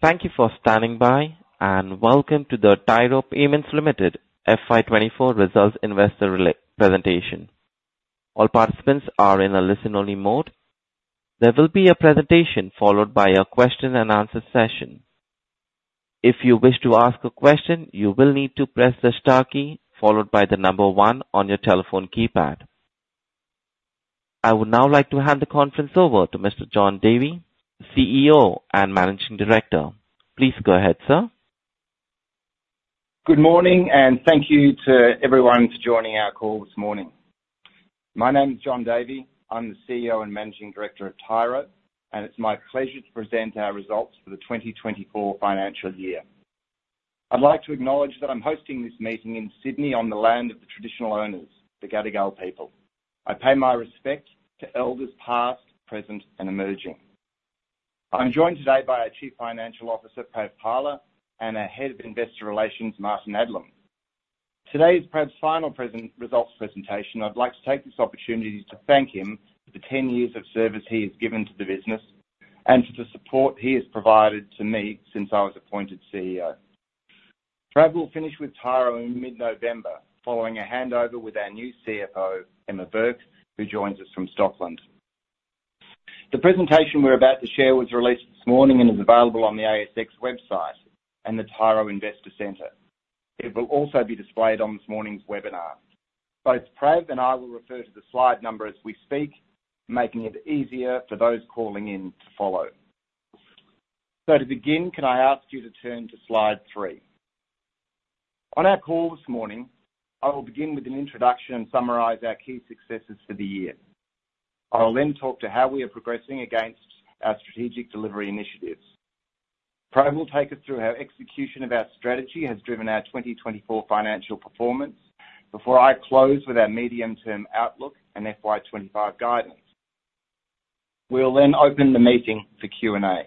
Thank you for standing by, and welcome to the Tyro Payments Limited FY 24 results investor relations presentation. All participants are in a listen-only mode. There will be a presentation followed by a question and answer session. If you wish to ask a question, you will need to press the star key followed by the number one on your telephone keypad. I would now like to hand the conference over to Mr. John Davey, CEO and Managing Director. Please go ahead, sir. Good morning, and thank you to everyone for joining our call this morning. My name is John Davey. I'm the CEO and Managing Director of Tyro, and it's my pleasure to present our results for the twenty twenty-four financial year. I'd like to acknowledge that I'm hosting this meeting in Sydney on the land of the traditional owners, the Gadigal people. I pay my respect to elders, past, present, and emerging. I'm joined today by our Chief Financial Officer, Prav Parla, and our Head of Investor Relations, Martin Adlam. Today is Prav's final results presentation. I'd like to take this opportunity to thank him for the ten years of service he has given to the business and for the support he has provided to me since I was appointed CEO. Prav will finish with Tyro in mid-November, following a handover with our new CFO, Emma Burke, who joins us from Stockland. The presentation we're about to share was released this morning and is available on the ASX website and the Tyro Investor Center. It will also be displayed on this morning's webinar. Both Prav and I will refer to the slide number as we speak, making it easier for those calling in to follow. So to begin, can I ask you to turn to slide three? On our call this morning, I will begin with an introduction and summarize our key successes for the year. I will then talk to how we are progressing against our strategic delivery initiatives. Prav will take us through how execution of our strategy has driven our twenty twenty-four financial performance before I close with our medium-term outlook and FY 2025 guidance. We'll then open the meeting for Q&A.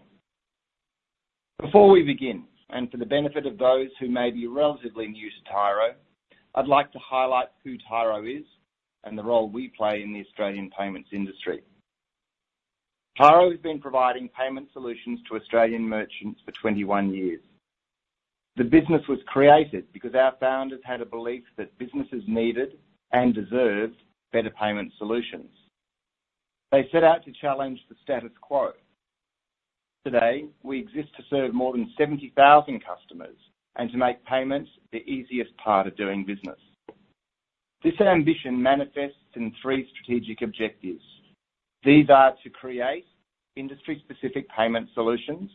Before we begin, and for the benefit of those who may be relatively new to Tyro, I'd like to highlight who Tyro is and the role we play in the Australian payments industry. Tyro has been providing payment solutions to Australian merchants for twenty-one years. The business was created because our founders had a belief that businesses needed and deserved better payment solutions. They set out to challenge the status quo. Today, we exist to serve more than seventy thousand customers and to make payments the easiest part of doing business. This ambition manifests in three strategic objectives. These are to create industry-specific payment solutions,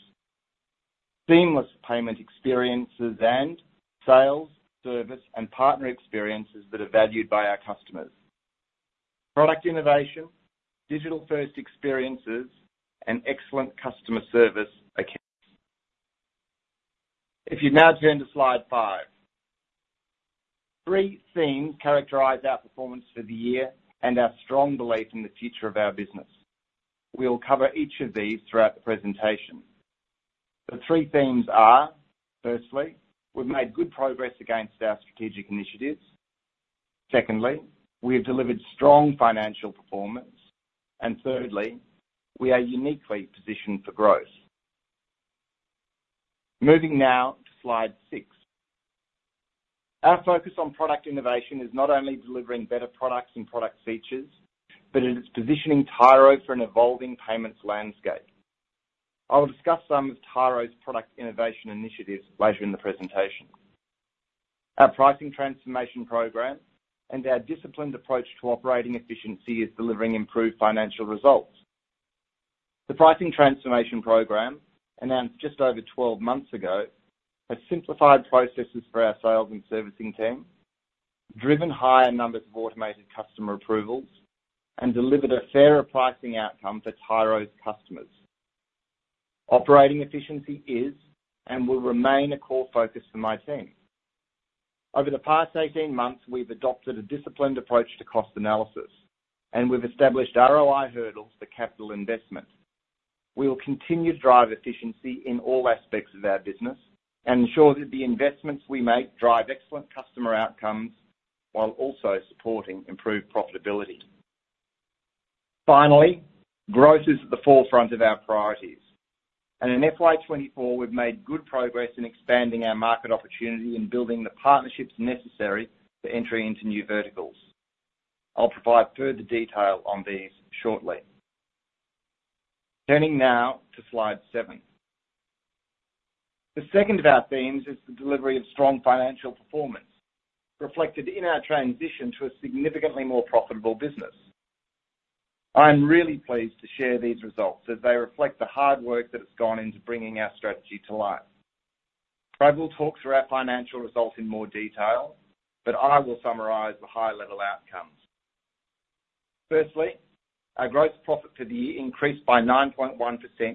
seamless payment experiences, and sales, service, and partner experiences that are valued by our customers. Product innovation, digital-first experiences, and excellent customer service are key. If you'd now turn to Slide five. Three themes characterize our performance for the year and our strong belief in the future of our business. We'll cover each of these throughout the presentation. The three themes are, firstly, we've made good progress against our strategic initiatives. Secondly, we have delivered strong financial performance. And thirdly, we are uniquely positioned for growth. Moving now to Slide six. Our focus on product innovation is not only delivering better products and product features, but it is positioning Tyro for an evolving payments landscape. I will discuss some of Tyro's product innovation initiatives later in the presentation. Our pricing transformation program and our disciplined approach to operating efficiency is delivering improved financial results. The pricing transformation program, announced just over 12 months ago, has simplified processes for our sales and servicing team, driven higher numbers of automated customer approvals, and delivered a fairer pricing outcome for Tyro's customers. Operating efficiency is and will remain a core focus for my team. Over the past eighteen months, we've adopted a disciplined approach to cost analysis, and we've established ROI hurdles for capital investment. We will continue to drive efficiency in all aspects of our business and ensure that the investments we make drive excellent customer outcomes while also supporting improved profitability. Finally, growth is at the forefront of our priorities, and in FY twenty-four, we've made good progress in expanding our market opportunity and building the partnerships necessary for entering into new verticals. I'll provide further detail on these shortly. Turning now to Slide seven. The second of our themes is the delivery of strong financial performance, reflected in our transition to a significantly more profitable business. I'm really pleased to share these results, as they reflect the hard work that has gone into bringing our strategy to life. I will talk through our financial results in more detail, but I will summarize the high-level outcomes. Firstly, our gross profit for the year increased by 9.1%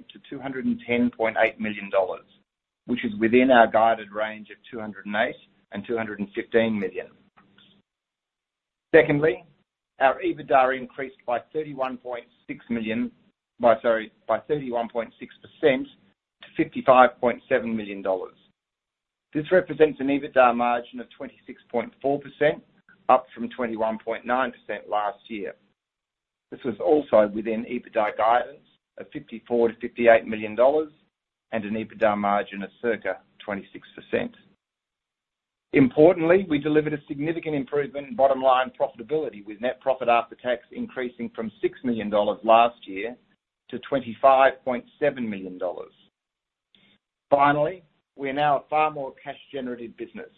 to 210.8 million dollars, which is within our guided range of 208-215 million. Secondly, our EBITDA increased by 31.6% to 55.7 million dollars. This represents an EBITDA margin of 26.4%, up from 21.9% last year. This was also within EBITDA guidance of 54-58 million dollars, and an EBITDA margin of circa 26%. Importantly, we delivered a significant improvement in bottom-line profitability, with net profit after tax increasing from 6 million dollars last year to 25.7 million dollars. Finally, we are now a far more cash-generative business.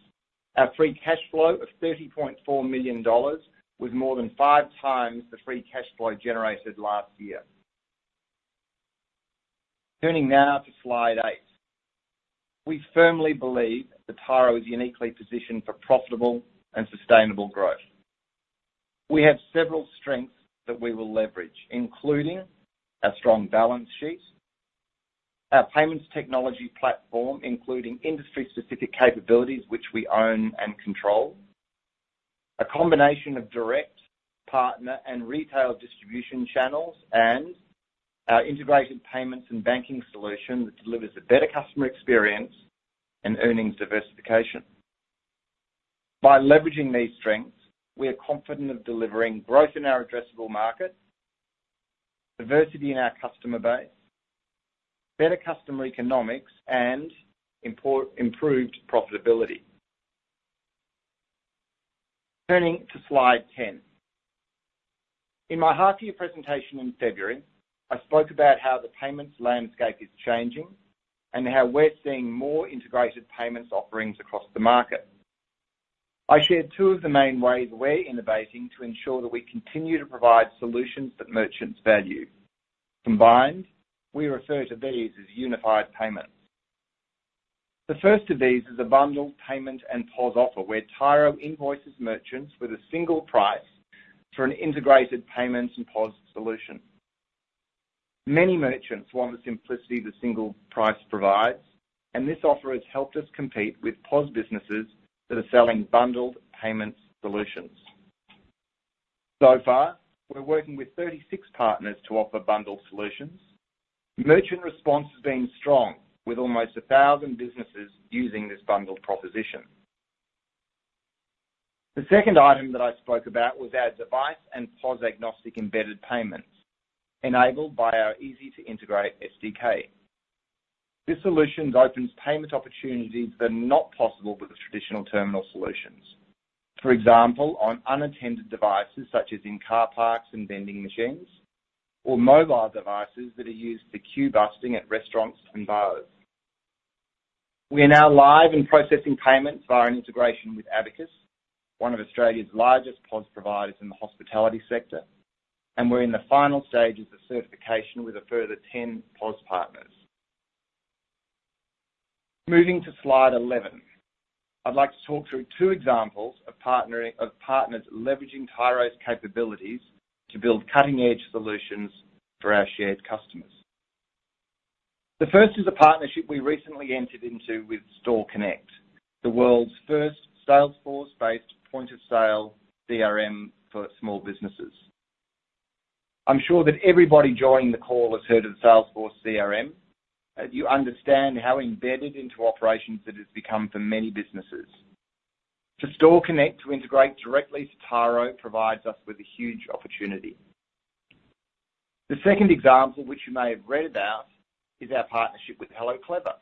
Our free cash flow of 30.4 million dollars was more than five times the free cash flow generated last year. Turning now to slide 8. We firmly believe that Tyro is uniquely positioned for profitable and sustainable growth. We have several strengths that we will leverage, including our strong balance sheets, our payments technology platform, including industry-specific capabilities, which we own and control, a combination of direct partner and retail distribution channels, and our integrated payments and banking solution that delivers a better customer experience and earnings diversification. By leveraging these strengths, we are confident of delivering growth in our addressable market, diversity in our customer base, better customer economics, and improved profitability. Turning to slide 10. In my half-year presentation in February, I spoke about how the payments landscape is changing and how we're seeing more integrated payments offerings across the market. I shared two of the main ways we're innovating to ensure that we continue to provide solutions that merchants value. Combined, we refer to these as unified payments. The first of these is a bundled payment and POS offer, where Tyro invoices merchants with a single price for an integrated payments and POS solution. Many merchants want the simplicity the single price provides, and this offer has helped us compete with POS businesses that are selling bundled payments solutions. So far, we're working with 36 partners to offer bundled solutions. Merchant response has been strong, with almost 1,000 businesses using this bundled proposition. The second item that I spoke about was our device and POS-agnostic embedded payments, enabled by our easy-to-integrate SDK. This solution opens payment opportunities that are not possible with the traditional terminal solutions. For example, on unattended devices, such as in car parks and vending machines, or mobile devices that are used for queue busting at restaurants and bars. We are now live and processing payments via an integration with Abacus, one of Australia's largest POS providers in the hospitality sector, and we're in the final stages of certification with a further 10 POS partners. Moving to slide 11. I'd like to talk through two examples of partners leveraging Tyro's capabilities to build cutting-edge solutions for our shared customers. The first is a partnership we recently entered into with StoreConnect, the world's first Salesforce-based point-of-sale CRM for small businesses. I'm sure that everybody joining the call has heard of Salesforce CRM, and you understand how embedded into operations it has become for many businesses. For StoreConnect to integrate directly to Tyro provides us with a huge opportunity. The second example, which you may have read about, is our partnership with Hello Clever.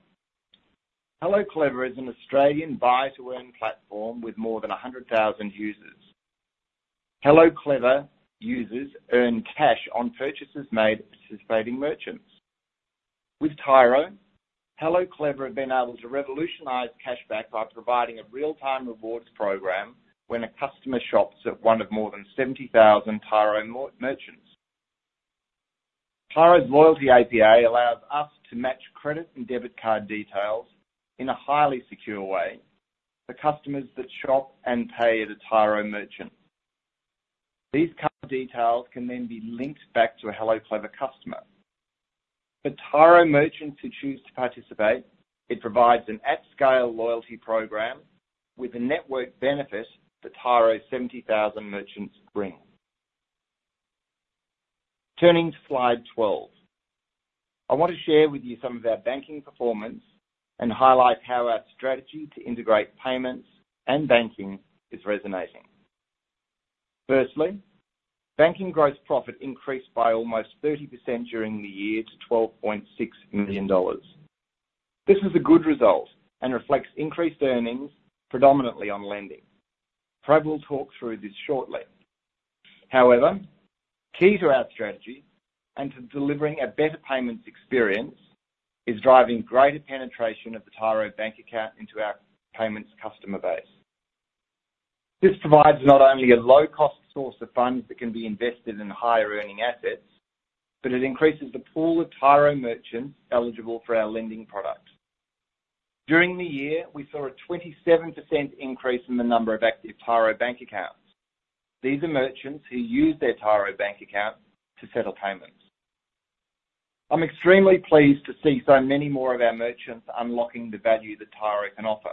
Hello Clever is an Australian buy-to-earn platform with more than a hundred thousand users. Hello Clever users earn cash on purchases made at participating merchants. With Tyro, Hello Clever have been able to revolutionize cashback by providing a real-time rewards program when a customer shops at one of more than seventy thousand Tyro merchants. Tyro's loyalty API allows us to match credit and debit card details in a highly secure way for customers that shop and pay at a Tyro merchant. These card details can then be linked back to a Hello Clever customer. For Tyro merchants who choose to participate, it provides an at-scale loyalty program with the network benefit that Tyro's seventy thousand merchants bring. Turning to slide 12. I want to share with you some of our banking performance and highlight how our strategy to integrate payments and banking is resonating. Firstly, banking gross profit increased by almost 30% during the year to 12.6 million dollars. This is a good result and reflects increased earnings, predominantly on lending. Prav will talk through this shortly. However, key to our strategy and to delivering a better payments experience, is driving greater penetration of the Tyro Bank Account into our payments customer base. This provides not only a low-cost source of funds that can be invested in higher-earning assets, but it increases the pool of Tyro merchants eligible for our lending product. During the year, we saw a 27% increase in the number of active Tyro Bank Accounts. These are merchants who use their Tyro Bank Account to settle payments. I'm extremely pleased to see so many more of our merchants unlocking the value that Tyro can offer.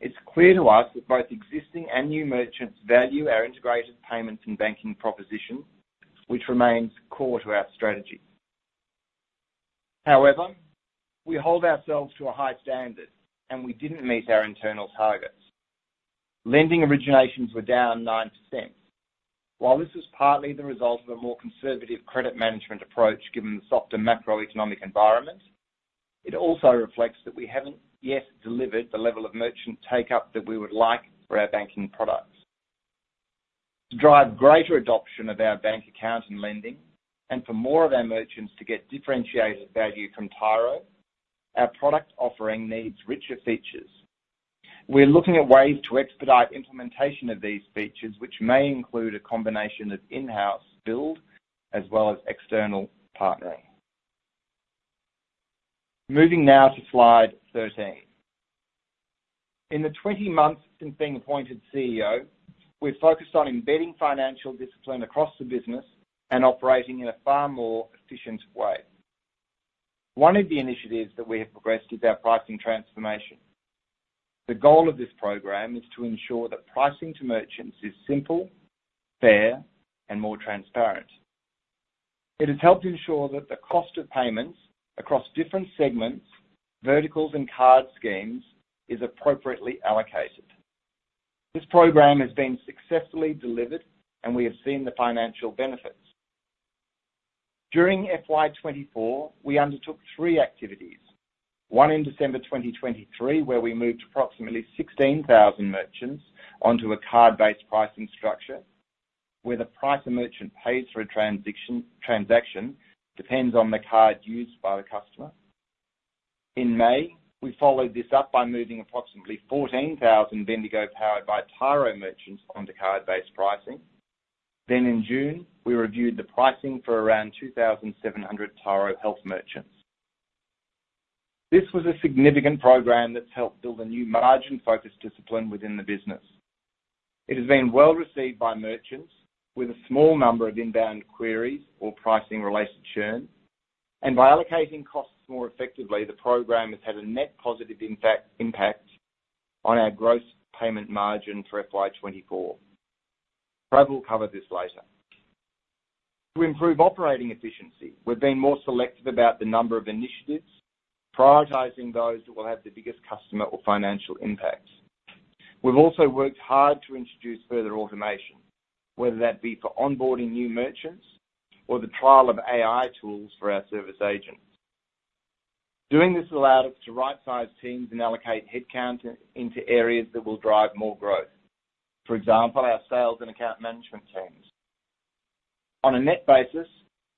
It's clear to us that both existing and new merchants value our integrated payments and banking proposition, which remains core to our strategy. However, we hold ourselves to a high standard, and we didn't meet our internal targets. Lending originations were down 9%. While this is partly the result of a more conservative credit management approach, given the softer macroeconomic environment, it also reflects that we haven't yet delivered the level of merchant take-up that we would like for our banking products. To drive greater adoption of our bank account and lending, and for more of our merchants to get differentiated value from Tyro, our product offering needs richer features. We're looking at ways to expedite implementation of these features, which may include a combination of in-house build as well as external partnering. Moving now to Slide 13. In the twenty months since being appointed CEO, we've focused on embedding financial discipline across the business and operating in a far more efficient way. One of the initiatives that we have progressed is our pricing transformation. The goal of this program is to ensure that pricing to merchants is simple, fair, and more transparent. It has helped ensure that the cost of payments across different segments, verticals, and card schemes is appropriately allocated. This program has been successfully delivered, and we have seen the financial benefits. During FY 2024, we undertook three activities. One, in December 2023, where we moved approximately 16,000 merchants onto a card-based pricing structure, where the price a merchant pays for a transaction depends on the card used by the customer. In May, we followed this up by moving approximately 14,000 Bendigo powered by Tyro merchants onto card-based pricing. Then in June, we reviewed the pricing for around 2,700 Tyro Health merchants. This was a significant program that's helped build a new margin-focused discipline within the business. It has been well received by merchants, with a small number of inbound queries or pricing-related churn, and by allocating costs more effectively, the program has had a net positive impact on our gross payment margin for FY 2024. Prav will cover this later. To improve operating efficiency, we've been more selective about the number of initiatives, prioritizing those that will have the biggest customer or financial impacts. We've also worked hard to introduce further automation, whether that be for onboarding new merchants or the trial of AI tools for our service agents. Doing this allowed us to rightsize teams and allocate headcount into areas that will drive more growth. For example, our sales and account management teams. On a net basis,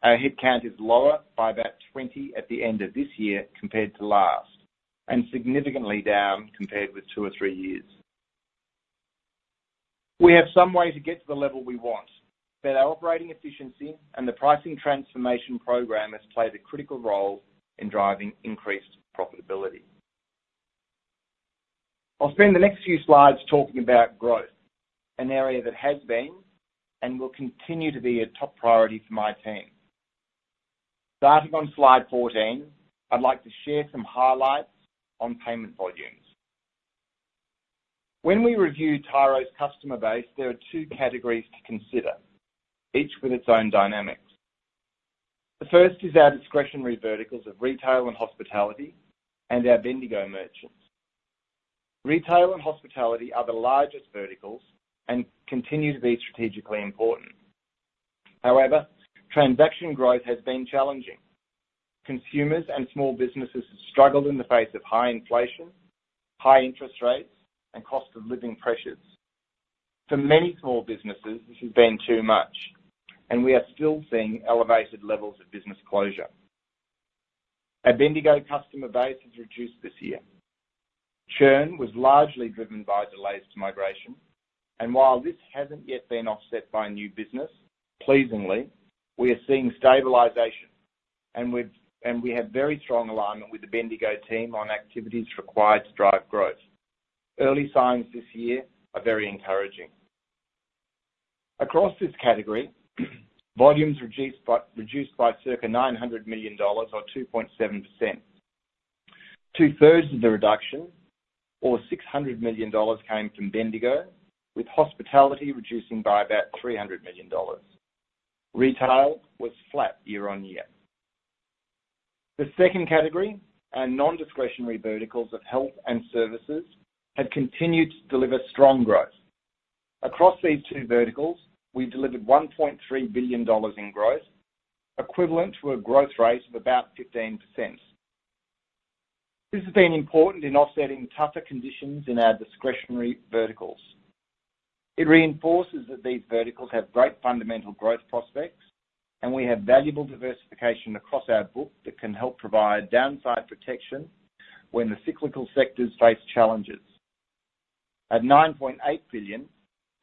our headcount is lower by about 20 at the end of this year compared to last, and significantly down compared with two or three years. We have some way to get to the level we want, but our operating efficiency and the pricing transformation program has played a critical role in driving increased profitability. I'll spend the next few slides talking about growth, an area that has been and will continue to be a top priority for my team. Starting on Slide 14, I'd like to share some highlights on payment volumes. When we review Tyro's customer base, there are two categories to consider, each with its own dynamics. The first is our discretionary verticals of retail and hospitality, and our Bendigo merchants. Retail and hospitality are the largest verticals and continue to be strategically important. However, transaction growth has been challenging. Consumers and small businesses have struggled in the face of high inflation, high interest rates, and cost of living pressures. For many small businesses, this has been too much, and we are still seeing elevated levels of business closure. Our Bendigo customer base has reduced this year. Churn was largely driven by delays to migration, and while this hasn't yet been offset by new business, pleasingly, we are seeing stabilization, and we have very strong alignment with the Bendigo team on activities required to drive growth. Early signs this year are very encouraging. Across this category, volumes reduced by circa 900 million or 2.7%. Two-thirds of the reduction, or 600 million, came from Bendigo, with hospitality reducing by about 300 million. Retail was flat year-on-year. The second category, our non-discretionary verticals of health and services, have continued to deliver strong growth. Across these two verticals, we delivered 1.3 billion in growth, equivalent to a growth rate of about 15%. This has been important in offsetting tougher conditions in our discretionary verticals. It reinforces that these verticals have great fundamental growth prospects, and we have valuable diversification across our book that can help provide downside protection when the cyclical sectors face challenges. At 9.8 billion,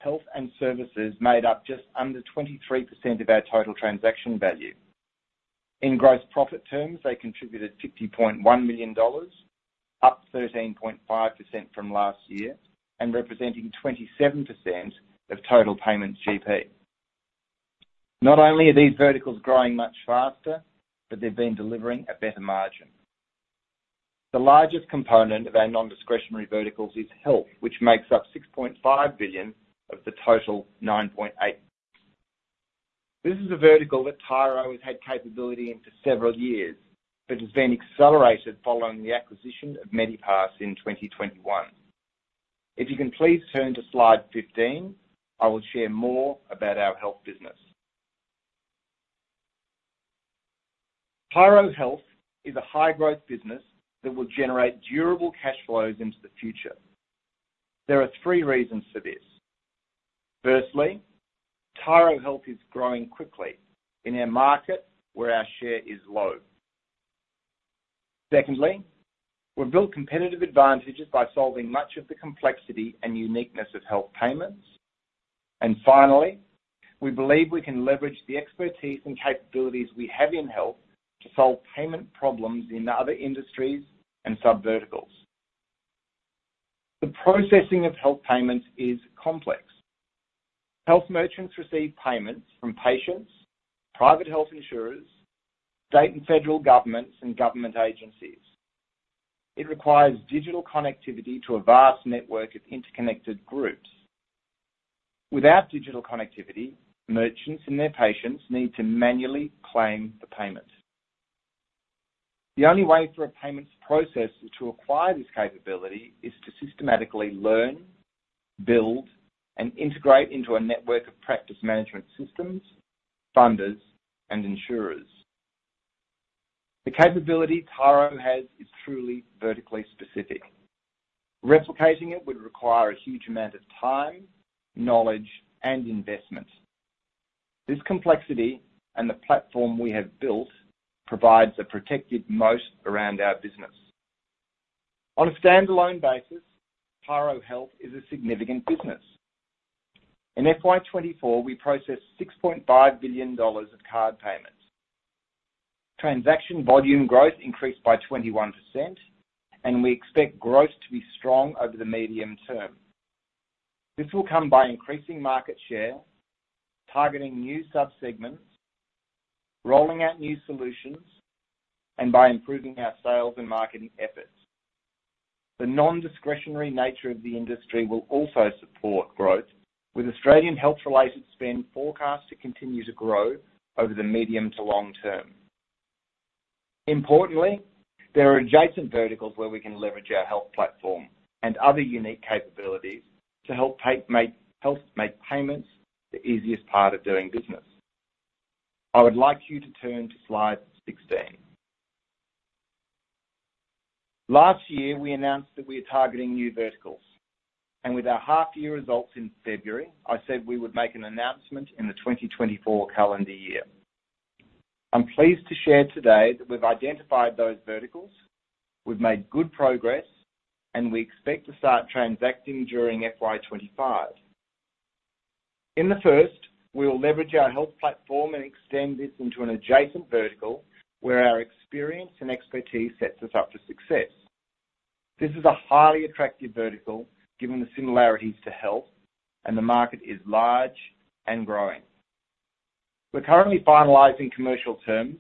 health and services made up just under 23% of our total transaction value. In gross profit terms, they contributed 60.1 million dollars, up 13.5% from last year and representing 27% of total payments GP. Not only are these verticals growing much faster, but they've been delivering a better margin. The largest component of our nondiscretionary verticals is health, which makes up 6.5 billion of the total 9.8 billion. This is a vertical that Tyro has had capability in for several years, but has been accelerated following the acquisition of Medipass in 2021. If you can please turn to Slide 15, I will share more about our health business. Tyro Health is a high-growth business that will generate durable cash flows into the future. There are three reasons for this. Firstly, Tyro Health is growing quickly in our market where our share is low. Secondly, we've built competitive advantages by solving much of the complexity and uniqueness of health payments. And finally, we believe we can leverage the expertise and capabilities we have in health to solve payment problems in other industries and subverticals. The processing of health payments is complex. Health merchants receive payments from patients, private health insurers, state and federal governments, and government agencies. It requires digital connectivity to a vast network of interconnected groups. Without digital connectivity, merchants and their patients need to manually claim the payment. The only way for a payments processor to acquire this capability is to systematically learn, build, and integrate into a network of practice management systems, funders, and insurers. The capability Tyro has is truly vertically specific. Replicating it would require a huge amount of time, knowledge, and investment. This complexity and the platform we have built provides a protected moat around our business. On a standalone basis, Tyro Health is a significant business. In FY 2024, we processed 6.5 billion dollars of card payments. Transaction volume growth increased by 21%, and we expect growth to be strong over the medium term. This will come by increasing market share, targeting new subsegments, rolling out new solutions, and by improving our sales and marketing efforts. The nondiscretionary nature of the industry will also support growth, with Australian health-related spend forecast to continue to grow over the medium to long term. Importantly, there are adjacent verticals where we can leverage our health platform and other unique capabilities to help make payments the easiest part of doing business. I would like you to turn to Slide 16. Last year, we announced that we are targeting new verticals, and with our half-year results in February, I said we would make an announcement in the 2024 calendar year. I'm pleased to share today that we've identified those verticals, we've made good progress, and we expect to start transacting during FY 2025. In the first, we will leverage our health platform and extend this into an adjacent vertical, where our experience and expertise sets us up for success. This is a highly attractive vertical, given the similarities to health, and the market is large and growing. We're currently finalizing commercial terms,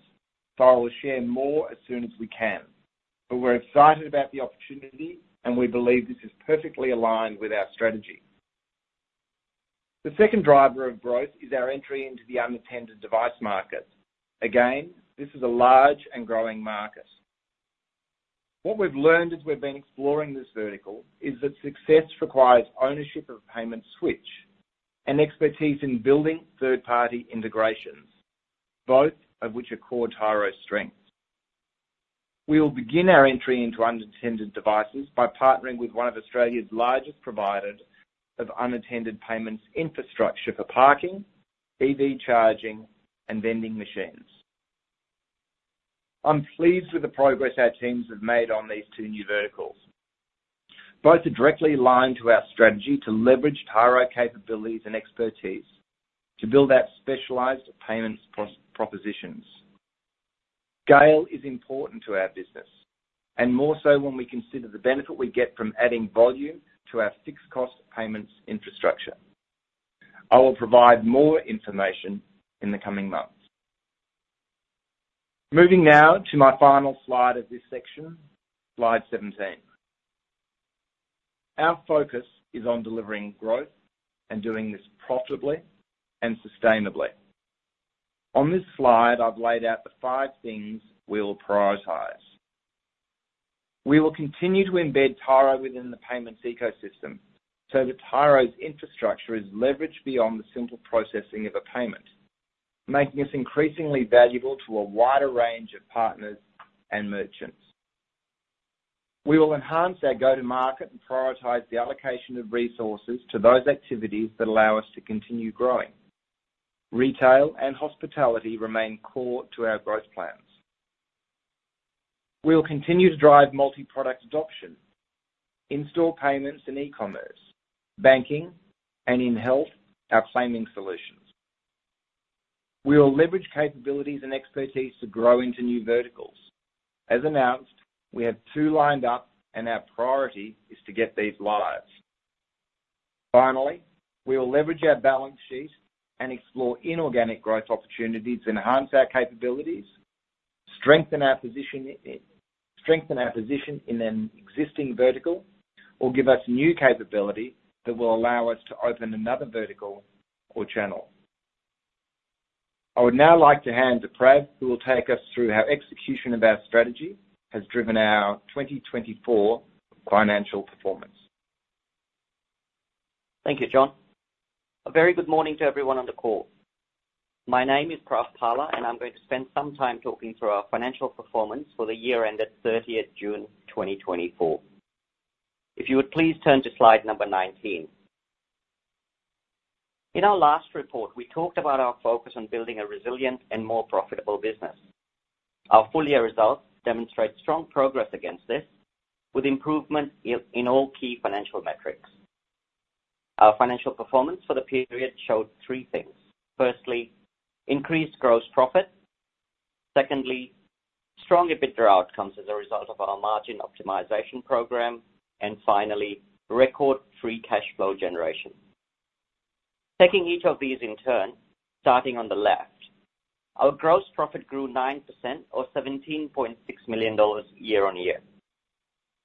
so I will share more as soon as we can. But we're excited about the opportunity, and we believe this is perfectly aligned with our strategy. The second driver of growth is our entry into the unattended device market. Again, this is a large and growing market. What we've learned as we've been exploring this vertical is that success requires ownership of a payment switch and expertise in building third-party integrations, both of which are core Tyro strengths. We will begin our entry into unattended devices by partnering with one of Australia's largest providers of unattended payments infrastructure for parking, EV charging, and vending machines. I'm pleased with the progress our teams have made on these two new verticals. Both are directly aligned to our strategy to leverage Tyro capabilities and expertise to build out specialized payments propositions. Scale is important to our business, and more so when we consider the benefit we get from adding volume to our fixed-cost payments infrastructure. I will provide more information in the coming months. Moving now to my final slide of this section, slide 17. Our focus is on delivering growth and doing this profitably and sustainably. On this slide, I've laid out the five things we will prioritize. We will continue to embed Tyro within the payments ecosystem so that Tyro's infrastructure is leveraged beyond the simple processing of a payment, making us increasingly valuable to a wider range of partners and merchants. We will enhance our go-to-market and prioritize the allocation of resources to those activities that allow us to continue growing. Retail and hospitality remain core to our growth plans. We will continue to drive multi-product adoption, in-store payments and e-commerce, banking, and in health, our claiming solutions. We will leverage capabilities and expertise to grow into new verticals. As announced, we have two lined up, and our priority is to get these live... Finally, we will leverage our balance sheet and explore inorganic growth opportunities to enhance our capabilities, strengthen our position, strengthen our position in an existing vertical, or give us new capability that will allow us to open another vertical or channel. I would now like to hand to Prav, who will take us through how execution of our strategy has driven our twenty twenty-four financial performance. Thank you, John. A very good morning to everyone on the call. My name is Prav Parla, and I'm going to spend some time talking through our financial performance for the year ended thirtieth June, twenty twenty-four. If you would please turn to slide number nineteen. In our last report, we talked about our focus on building a resilient and more profitable business. Our full-year results demonstrate strong progress against this, with improvement in all key financial metrics. Our financial performance for the period showed three things: firstly, increased gross profit; secondly, stronger EBITDA outcomes as a result of our margin optimization program; and finally, record free cash flow generation. Taking each of these in turn, starting on the left, our gross profit grew 9%, or 17.6 million dollars year on year.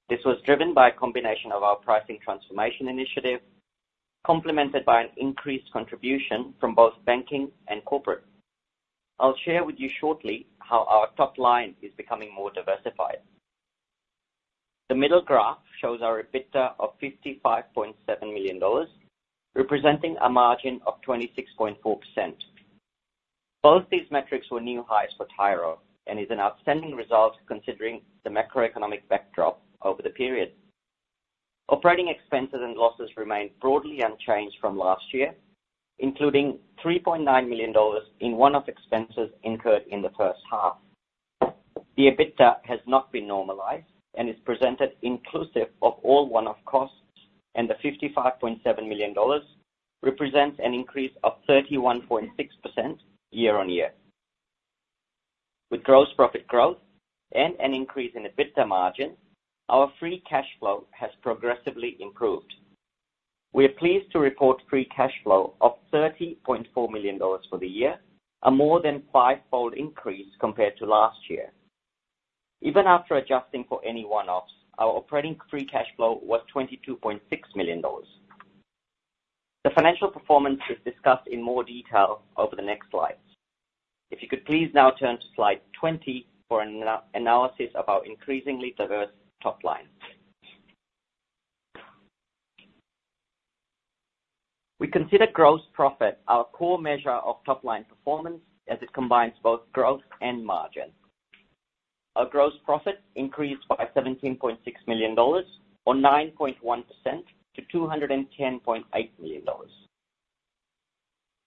This was driven by a combination of our pricing transformation initiative, complemented by an increased contribution from both banking and corporate. I'll share with you shortly how our top line is becoming more diversified. The middle graph shows our EBITDA of 55.7 million dollars, representing a margin of 26.4%. Both these metrics were new highs for Tyro and is an outstanding result considering the macroeconomic backdrop over the period. Operating expenses and losses remained broadly unchanged from last year, including 3.9 million dollars in one-off expenses incurred in the first half. The EBITDA has not been normalized and is presented inclusive of all one-off costs, and the 55.7 million dollars represents an increase of 31.6% year on year. With gross profit growth and an increase in EBITDA margin, our free cash flow has progressively improved. We are pleased to report free cash flow of 30.4 million dollars for the year, a more than fivefold increase compared to last year. Even after adjusting for any one-offs, our operating free cash flow was 22.6 million dollars. The financial performance is discussed in more detail over the next slides. If you could please now turn to slide 20 for an analysis of our increasingly diverse top line. We consider gross profit our core measure of top-line performance, as it combines both growth and margin. Our gross profit increased by 17.6 million dollars, or 9.1%, to 210.8 million dollars.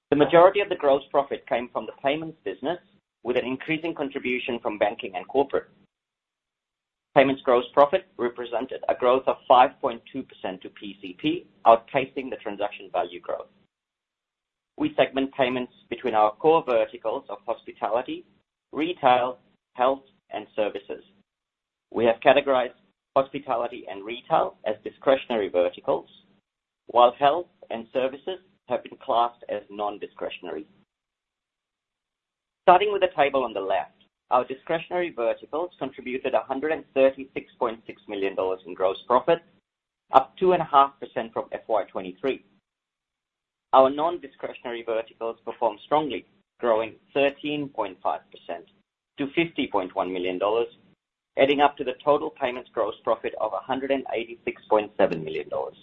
The majority of the gross profit came from the payments business, with an increasing contribution from banking and corporate. Payments gross profit represented a growth of 5.2% to PCP, outpacing the transaction value growth. We segment payments between our core verticals of hospitality, retail, health, and services. We have categorized hospitality and retail as discretionary verticals, while health and services have been classed as non-discretionary. Starting with the table on the left, our discretionary verticals contributed 136.6 million dollars in gross profit, up 2.5% from FY 2023. Our non-discretionary verticals performed strongly, growing 13.5% to 50.1 million dollars, adding up to the total payments gross profit of 186.7 million dollars.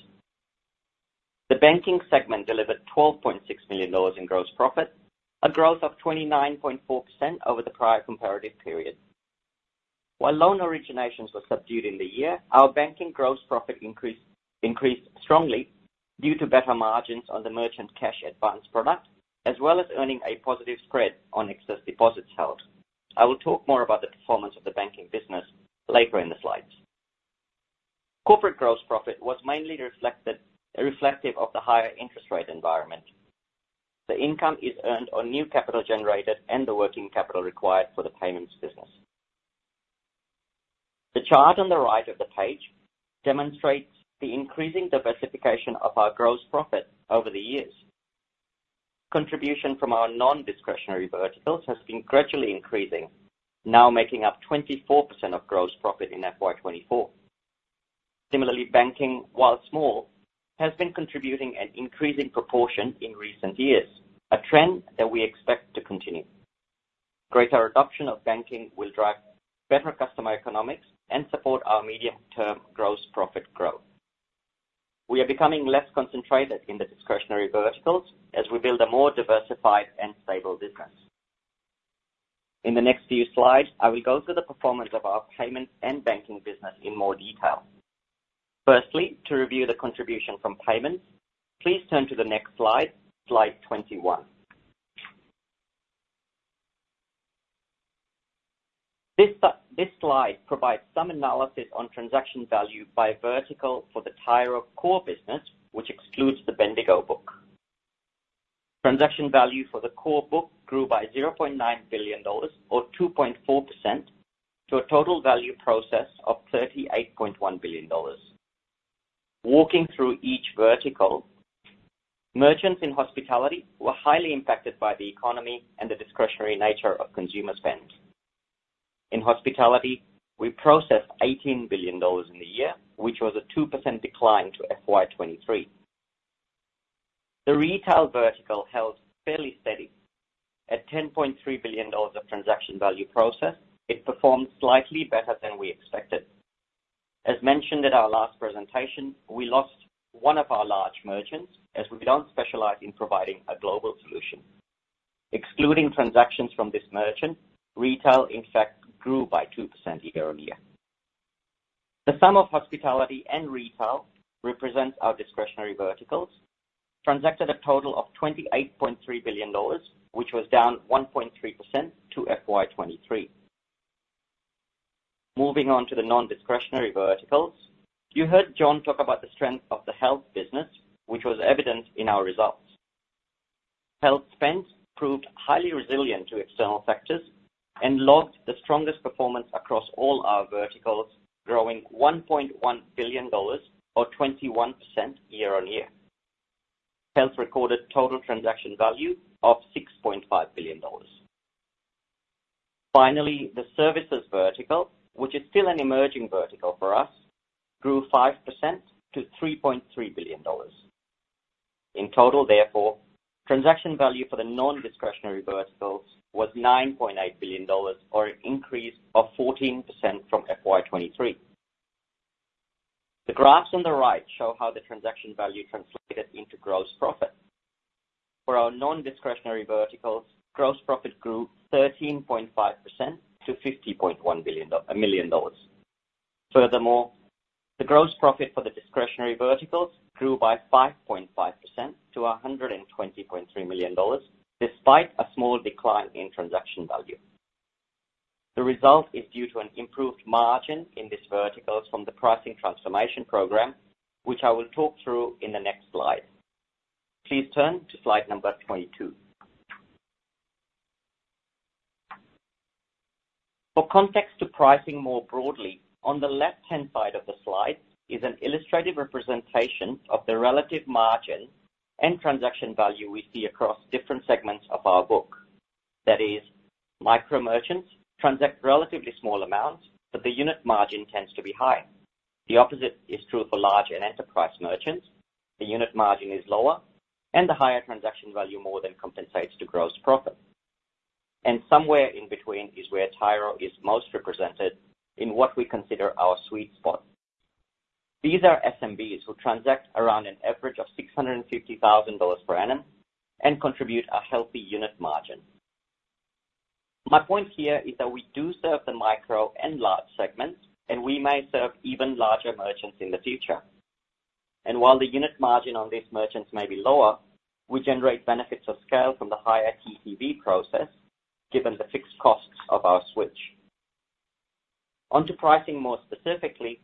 The banking segment delivered 12.6 million dollars in gross profit, a growth of 29.4% over the prior comparative period. While loan originations were subdued in the year, our banking gross profit increased strongly due to better margins on the merchant cash advance product, as well as earning a positive spread on excess deposits held. I will talk more about the performance of the banking business later in the slides. Corporate gross profit was mainly reflective of the higher interest rate environment. The income is earned on new capital generated and the working capital required for the payments business. The chart on the right of the page demonstrates the increasing diversification of our gross profit over the years. Contribution from our non-discretionary verticals has been gradually increasing, now making up 24% of gross profit in FY twenty-four. Similarly, banking, while small, has been contributing an increasing proportion in recent years, a trend that we expect to continue. Greater adoption of banking will drive better customer economics and support our medium-term gross profit growth. We are becoming less concentrated in the discretionary verticals as we build a more diversified and stable business. In the next few slides, I will go through the performance of our payments and banking business in more detail. Firstly, to review the contribution from payments, please turn to the next slide, slide 21. This slide provides some analysis on transaction value by vertical for the Tyro core business, which excludes the Bendigo books. Transaction value for the core book grew by 0.9 billion dollars or 2.4% to a total value processed of 38.1 billion dollars. Walking through each vertical, merchants in hospitality were highly impacted by the economy and the discretionary nature of consumer spend. In hospitality, we processed 18 billion dollars in the year, which was a 2% decline to FY 2023. The retail vertical held fairly steady at 10.3 billion dollars of transaction value processed. It performed slightly better than we expected. As mentioned at our last presentation, we lost one of our large merchants as we don't specialize in providing a global solution. Excluding transactions from this merchant, retail, in fact, grew by 2% year-on-year. The sum of hospitality and retail represents our discretionary verticals, transacted a total of 28.3 billion dollars, which was down 1.3% to FY 2023. Moving on to the non-discretionary verticals, you heard John talk about the strength of the health business, which was evident in our results. Health spend proved highly resilient to external factors and logged the strongest performance across all our verticals, growing 1.1 billion dollars or 21% year-on-year. Health recorded total transaction value of 6.5 billion dollars. Finally, the services vertical, which is still an emerging vertical for us, grew 5% to 3.3 billion dollars. In total, therefore, transaction value for the non-discretionary verticals was 9.8 billion dollars, or an increase of 14% from FY 2023. The graphs on the right show how the transaction value translated into gross profit. For our non-discretionary verticals, gross profit grew 13.5% to 50.1 million dollars. Furthermore, the gross profit for the discretionary verticals grew by 5.5% to 120.3 million dollars, despite a small decline in transaction value. The result is due to an improved margin in these verticals from the pricing transformation program, which I will talk through in the next slide. Please turn to slide number 22. For context to pricing more broadly, on the left-hand side of the slide is an illustrative representation of the relative margin and transaction value we see across different segments of our book. That is, micro merchants transact relatively small amounts, but the unit margin tends to be high. The opposite is true for large and enterprise merchants. The unit margin is lower, and the higher transaction value more than compensates to gross profit. And somewhere in between is where Tyro is most represented in what we consider our sweet spot. These are SMBs who transact around an average of 650,000 dollars per annum and contribute a healthy unit margin. My point here is that we do serve the micro and large segments, and we may serve even larger merchants in the future, and while the unit margin on these merchants may be lower, we generate benefits of scale from the higher TPV process, given the fixed costs of our switch. Onto pricing more specifically,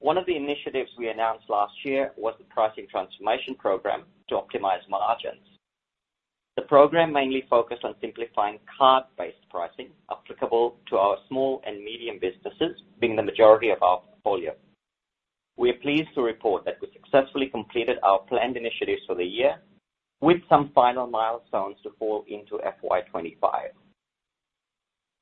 one of the initiatives we announced last year was the pricing transformation program to optimize margins. The program mainly focused on simplifying card-based pricing applicable to our small and medium businesses, being the majority of our portfolio. We are pleased to report that we successfully completed our planned initiatives for the year, with some final milestones to fall into FY 2025.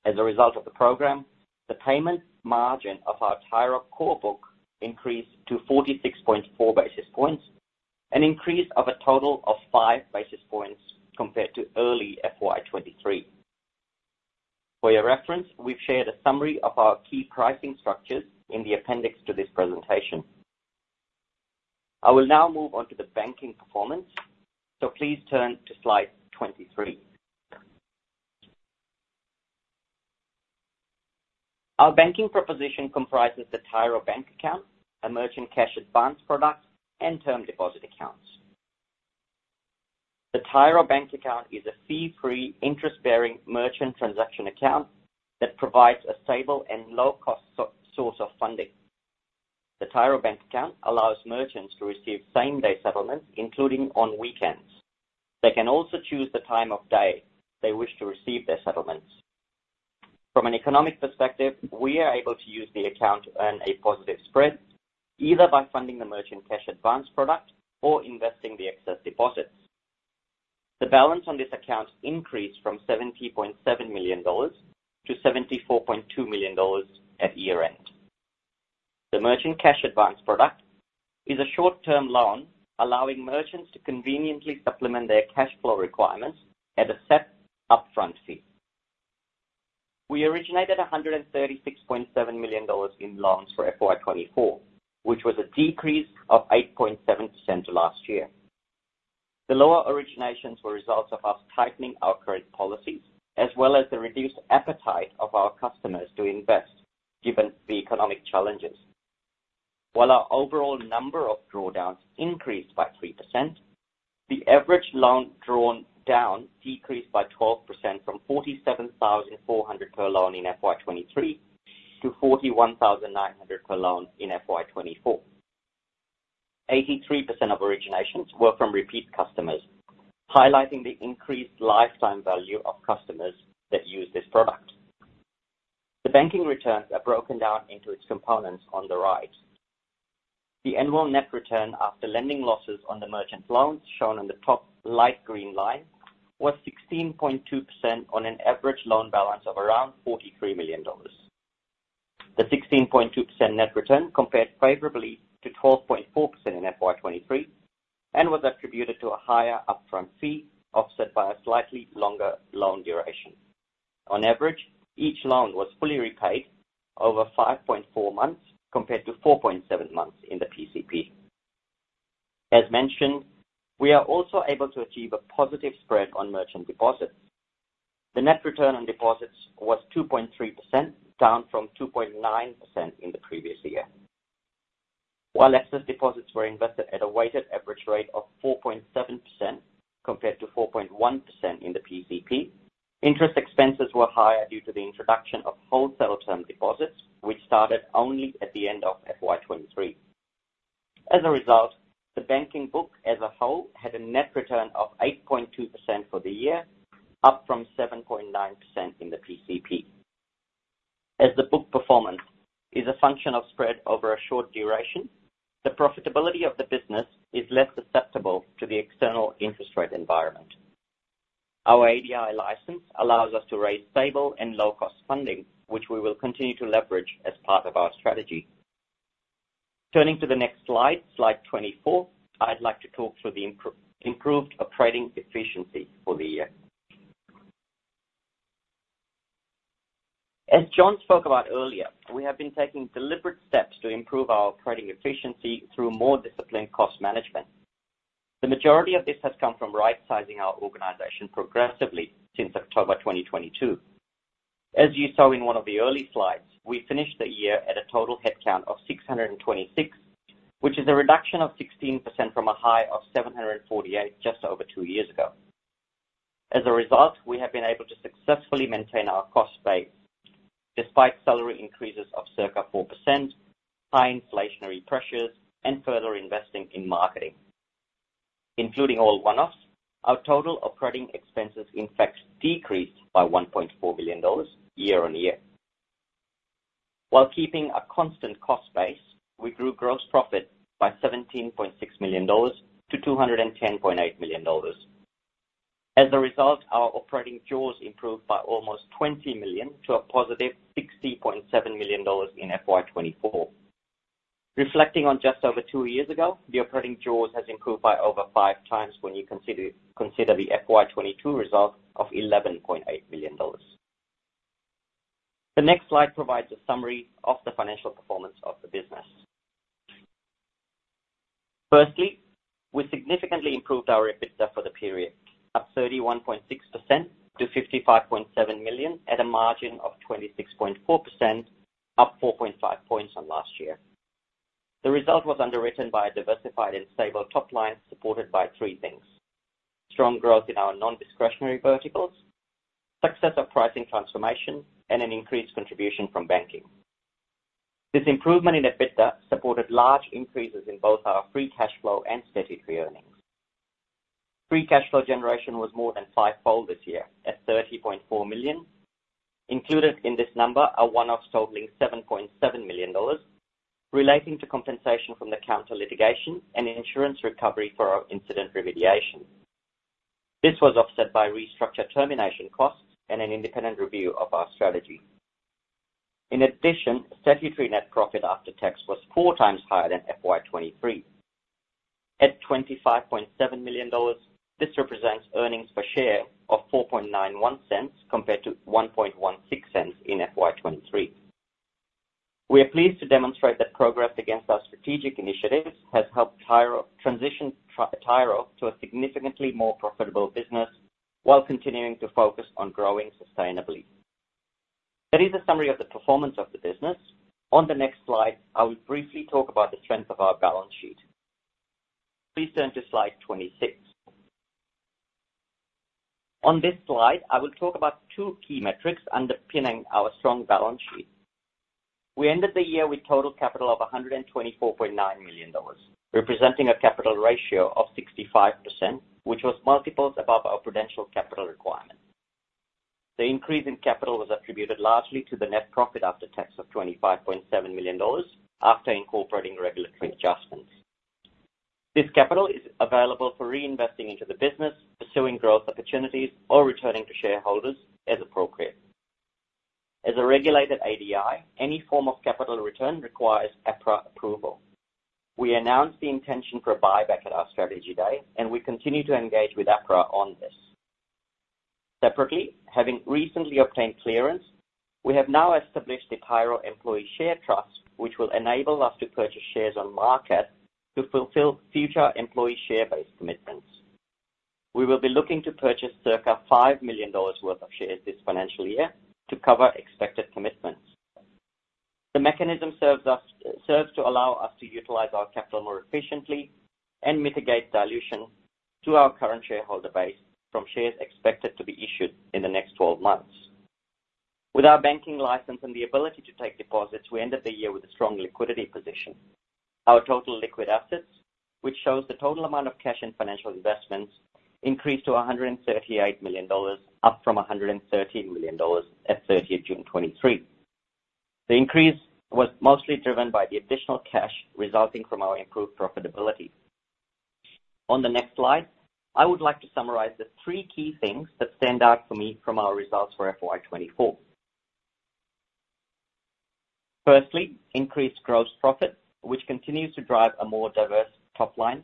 As a result of the program, the payment margin of our Tyro core book increased to 46.4 basis points, an increase of a total of 5 basis points compared to early FY 2023. For your reference, we've shared a summary of our key pricing structures in the appendix to this presentation. I will now move on to the banking performance, so please turn to slide 23. Our banking proposition comprises the Tyro Bank Account, a Merchant Cash Advance product, and term deposit accounts. The Tyro Bank Account is a fee-free, interest-bearing merchant transaction account that provides a stable and low-cost source of funding. The Tyro Bank Account allows merchants to receive same-day settlements, including on weekends. They can also choose the time of day they wish to receive their settlements. From an economic perspective, we are able to use the account to earn a positive spread, either by funding the merchant cash advance product or investing the excess deposits. The balance on this account increased from 70.7 million dollars to 74.2 million dollars at year-end. The merchant cash advance product is a short-term loan, allowing merchants to conveniently supplement their cash flow requirements at a set upfront fee. We originated 136.7 million dollars in loans for FY 2024, which was a decrease of 8.7% to last year. The lower originations were a result of us tightening our current policies, as well as the reduced appetite of our customers to invest, given the economic challenges. While our overall number of drawdowns increased by 3%, the average loan drawn down decreased by 12% from $47,400 per loan in FY 2023 to $41,900 per loan in FY 2024. Eighty-three percent of originations were from repeat customers, highlighting the increased lifetime value of customers that use this product. The banking returns are broken down into its components on the right. The annual net return after lending losses on the merchant loans, shown on the top light green line, was 16.2% on an average loan balance of around 43 million dollars. The 16.2% net return compared favorably to 12.4% in FY 2023, and was attributed to a higher upfront fee, offset by a slightly longer loan duration. On average, each loan was fully repaid over 5.4 months, compared to 4.7 months in the PCP. As mentioned, we are also able to achieve a positive spread on merchant deposits. The net return on deposits was 2.3%, down from 2.9% in the previous year. While excess deposits were invested at a weighted average rate of 4.7%, compared to 4.1% in the PCP, interest expenses were higher due to the introduction of wholesale term deposits, which started only at the end of FY 2023. As a result, the banking book as a whole had a net return of 8.2% for the year, up from 7.9% in the PCP. As the book performance is a function of spread over a short duration, the profitability of the business is less susceptible to the external interest rate environment. Our ADI license allows us to raise stable and low-cost funding, which we will continue to leverage as part of our strategy. Turning to the next slide, slide 24, I'd like to talk through the improved operating efficiency for the year. As John spoke about earlier, we have been taking deliberate steps to improve our operating efficiency through more disciplined cost management. The majority of this has come from right-sizing our organization progressively since October 2022. As you saw in one of the early slides, we finished the year at a total headcount of 626, which is a reduction of 16% from a high of 748 just over two years ago. As a result, we have been able to successfully maintain our cost base, despite salary increases of circa 4%, high inflationary pressures, and further investing in marketing. Including all one-offs, our total operating expenses in fact decreased by 1.4 million dollars year on year. While keeping a constant cost base, we grew gross profit by 17.6 million dollars to 210.8 million dollars. As a result, our operating jaws improved by almost 20 million to a positive 60.7 million dollars in FY 2024. Reflecting on just over two years ago, the operating jaws has improved by over five times when you consider the FY 2022 result of 11.8 million dollars. The next slide provides a summary of the financial performance of the business. Firstly, we significantly improved our EBITDA for the period, up 31.6% to 55.7 million, at a margin of 26.4%, up 4.5 points on last year. The result was underwritten by a diversified and stable top line, supported by three things: strong growth in our non-discretionary verticals, success of pricing transformation, and an increased contribution from banking. This improvement in EBITDA supported large increases in both our free cash flow and statutory earnings. Free cash flow generation was more than fivefold this year, at 30.4 million. Included in this number are one-offs totaling 7.7 million dollars, relating to compensation from the Kounta litigation and insurance recovery for our incident remediation. This was offset by restructure termination costs and an independent review of our strategy. In addition, statutory net profit after tax was four times higher than FY 2023. At 25.7 million dollars, this represents earnings per share of 0.0491, compared to 0.0116 in FY 2023. We are pleased to demonstrate that progress against our strategic initiatives has helped Tyro transition Tyro to a significantly more profitable business, while continuing to focus on growing sustainably. That is a summary of the performance of the business. On the next slide, I will briefly talk about the strength of our balance sheet. Please turn to slide 26. On this slide, I will talk about two key metrics underpinning our strong balance sheet. We ended the year with total capital of 124.9 million dollars, representing a capital ratio of 65%, which was multiples above our prudential capital requirement. The increase in capital was attributed largely to the net profit after tax of 25.7 million dollars, after incorporating regulatory adjustments. This capital is available for reinvesting into the business, pursuing growth opportunities, or returning to shareholders as appropriate. As a regulated ADI, any form of capital return requires APRA approval. We announced the intention for a buyback at our Strategy Day, and we continue to engage with APRA on this. Separately, having recently obtained clearance, we have now established the Tyro Employee Share Trust, which will enable us to purchase shares on market to fulfill future employee share-based commitments. We will be looking to purchase circa 5 million dollars worth of shares this financial year to cover expected commitments. The mechanism serves to allow us to utilize our capital more efficiently and mitigate dilution to our current shareholder base from shares expected to be issued in the next twelve months. With our banking license and the ability to take deposits, we end the year with a strong liquidity position. Our total liquid assets, which shows the total amount of cash and financial investments, increased to 138 million dollars, up from 113 million dollars at thirtieth June 2023. The increase was mostly driven by the additional cash resulting from our improved profitability. On the next slide, I would like to summarize the three key things that stand out for me from our results for FY 2024. Firstly, increased gross profit, which continues to drive a more diverse top line.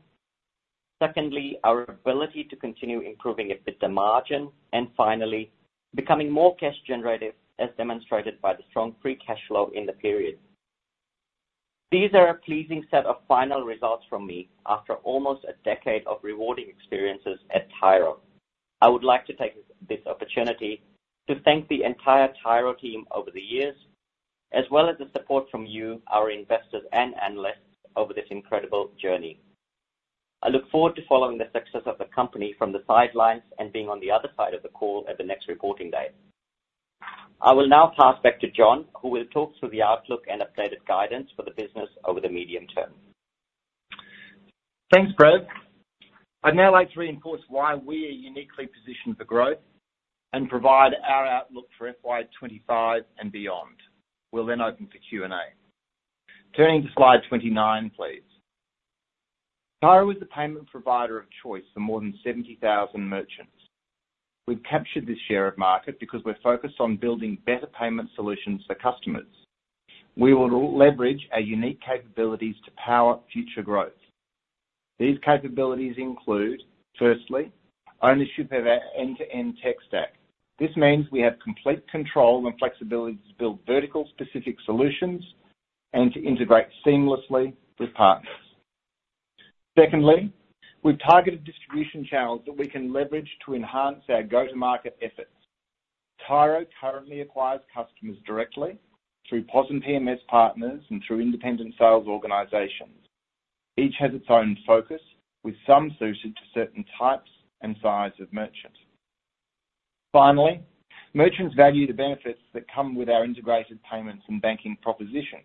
Secondly, our ability to continue improving EBITDA margin, and finally, becoming more cash generative, as demonstrated by the strong free cash flow in the period. These are a pleasing set of final results from me after almost a decade of rewarding experiences at Tyro. I would like to take this opportunity to thank the entire Tyro team over the years, as well as the support from you, our investors and analysts, over this incredible journey. I look forward to following the success of the company from the sidelines and being on the other side of the call at the next reporting date. I will now pass back to John, who will talk through the outlook and updated guidance for the business over the medium term. Thanks, Greg. I'd now like to reinforce why we are uniquely positioned for growth and provide our outlook for FY twenty-five and beyond. We'll then open for Q&A. Turning to slide 29, please. Tyro is the payment provider of choice for more than 70,000 merchants. We've captured this share of market because we're focused on building better payment solutions for customers. We will leverage our unique capabilities to power future growth. These capabilities include, firstly, ownership of our end-to-end tech stack. This means we have complete control and flexibility to build vertical-specific solutions and to integrate seamlessly with partners. Secondly, we've targeted distribution channels that we can leverage to enhance our go-to-market efforts. Tyro currently acquires customers directly through POS and PMS partners and through independent sales organizations. Each has its own focus, with some suited to certain types and size of merchants. Finally, merchants value the benefits that come with our integrated payments and banking proposition.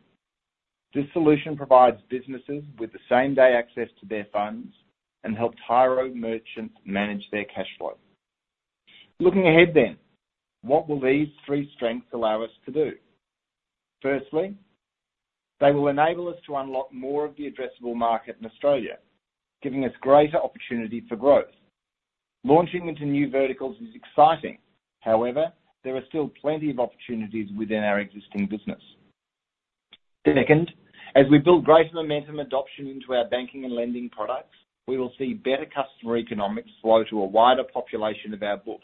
This solution provides businesses with the same-day access to their funds and help Tyro merchants manage their cash flow. Looking ahead then, what will these three strengths allow us to do? Firstly, they will enable us to unlock more of the addressable market in Australia, giving us greater opportunity for growth. Launching into new verticals is exciting. However, there are still plenty of opportunities within our existing business. Second, as we build greater momentum adoption into our banking and lending products, we will see better customer economics flow to a wider population of our book.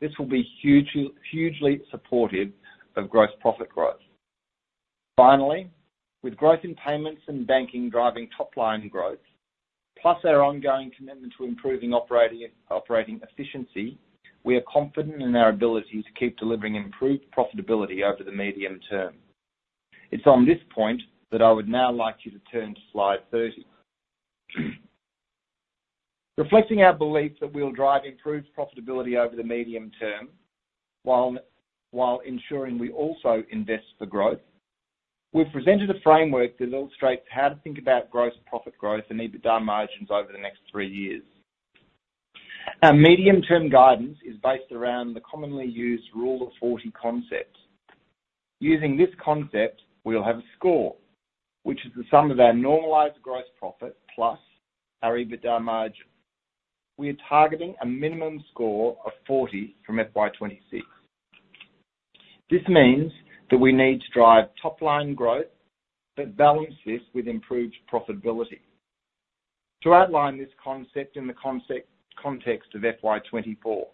This will be hugely, hugely supportive of gross profit growth. Finally, with growth in payments and banking driving top-line growth, plus our ongoing commitment to improving operating efficiency, we are confident in our ability to keep delivering improved profitability over the medium term. It's on this point that I would now like you to turn to slide 30. Reflecting our belief that we'll drive improved profitability over the medium term, while ensuring we also invest for growth, we've presented a framework that illustrates how to think about gross profit growth and EBITDA margins over the next three years. Our medium-term guidance is based around the commonly used Rule of 40 concept. Using this concept, we'll have a score, which is the sum of our normalized gross profit plus our EBITDA margin. We are targeting a minimum score of 40 from FY 2026. This means that we need to drive top-line growth, but balance this with improved profitability. To outline this concept in the context of FY 2024,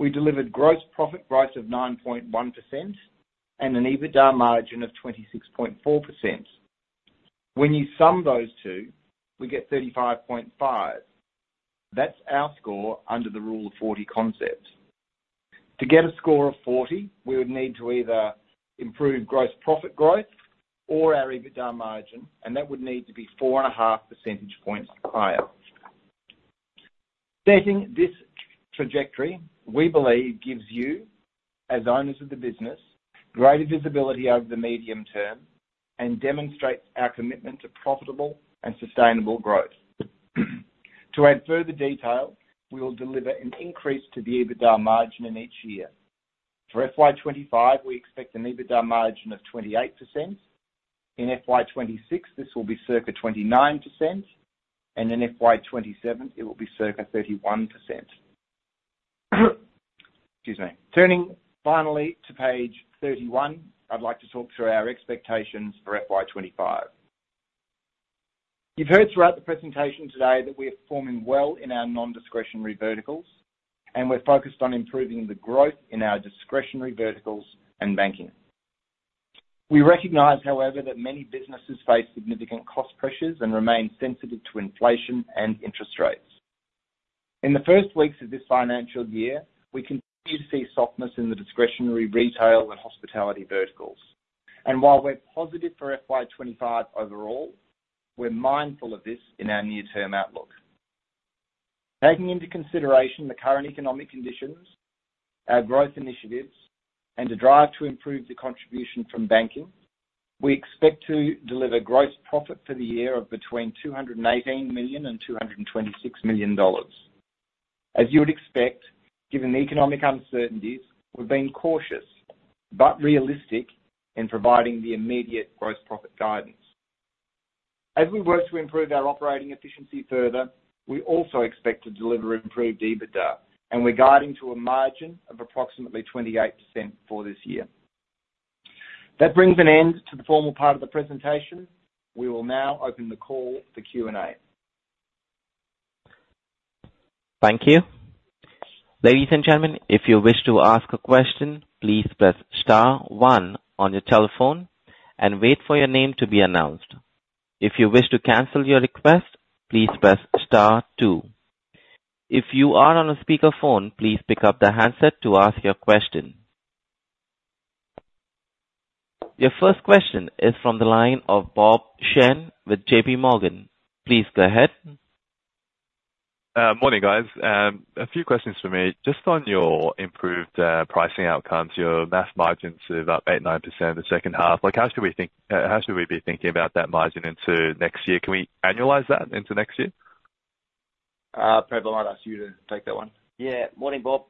we delivered gross profit growth of 9.1% and an EBITDA margin of 26.4%. When you sum those two, we get 35.5. That's our score under the Rule of 40 concept. To get a score of 40, we would need to either improve gross profit growth or our EBITDA margin, and that would need to be four and a half percentage points higher. Setting this trajectory, we believe, gives you, as owners of the business, greater visibility over the medium term and demonstrates our commitment to profitable and sustainable growth. To add further detail, we will deliver an increase to the EBITDA margin in each year. For FY 2025, we expect an EBITDA margin of 28%. In FY 2026, this will be circa 29%, and in FY 2027, it will be circa 31%. Excuse me. Turning finally to page 31, I'd like to talk through our expectations for FY 2025. You've heard throughout the presentation today that we are performing well in our non-discretionary verticals, and we're focused on improving the growth in our discretionary verticals and banking. We recognize, however, that many businesses face significant cost pressures and remain sensitive to inflation and interest rates. In the first weeks of this financial year, we continue to see softness in the discretionary retail and hospitality verticals. And while we're positive for FY 2025 overall, we're mindful of this in our near-term outlook. Taking into consideration the current economic conditions, our growth initiatives, and the drive to improve the contribution from banking, we expect to deliver gross profit for the year of between 218 million and 226 million dollars. As you would expect, given the economic uncertainties, we've been cautious but realistic in providing the immediate gross profit guidance. As we work to improve our operating efficiency further, we also expect to deliver improved EBITDA, and we're guiding to a margin of approximately 28% for this year. That brings an end to the formal part of the presentation. We will now open the call for Q&A. Thank you. Ladies and gentlemen, if you wish to ask a question, please press star one on your telephone and wait for your name to be announced. If you wish to cancel your request, please press star two. If you are on a speakerphone, please pick up the handset to ask your question. Your first question is from the line of Bob Shen with J.P. Morgan. Please go ahead. Morning, guys. A few questions for me. Just on your improved pricing outcomes, your gross margins are up 8%-9% in the second half. Like, how should we be thinking about that margin into next year? Can we annualize that into next year? Prav, I'd ask you to take that one. Yeah. Morning, Bob.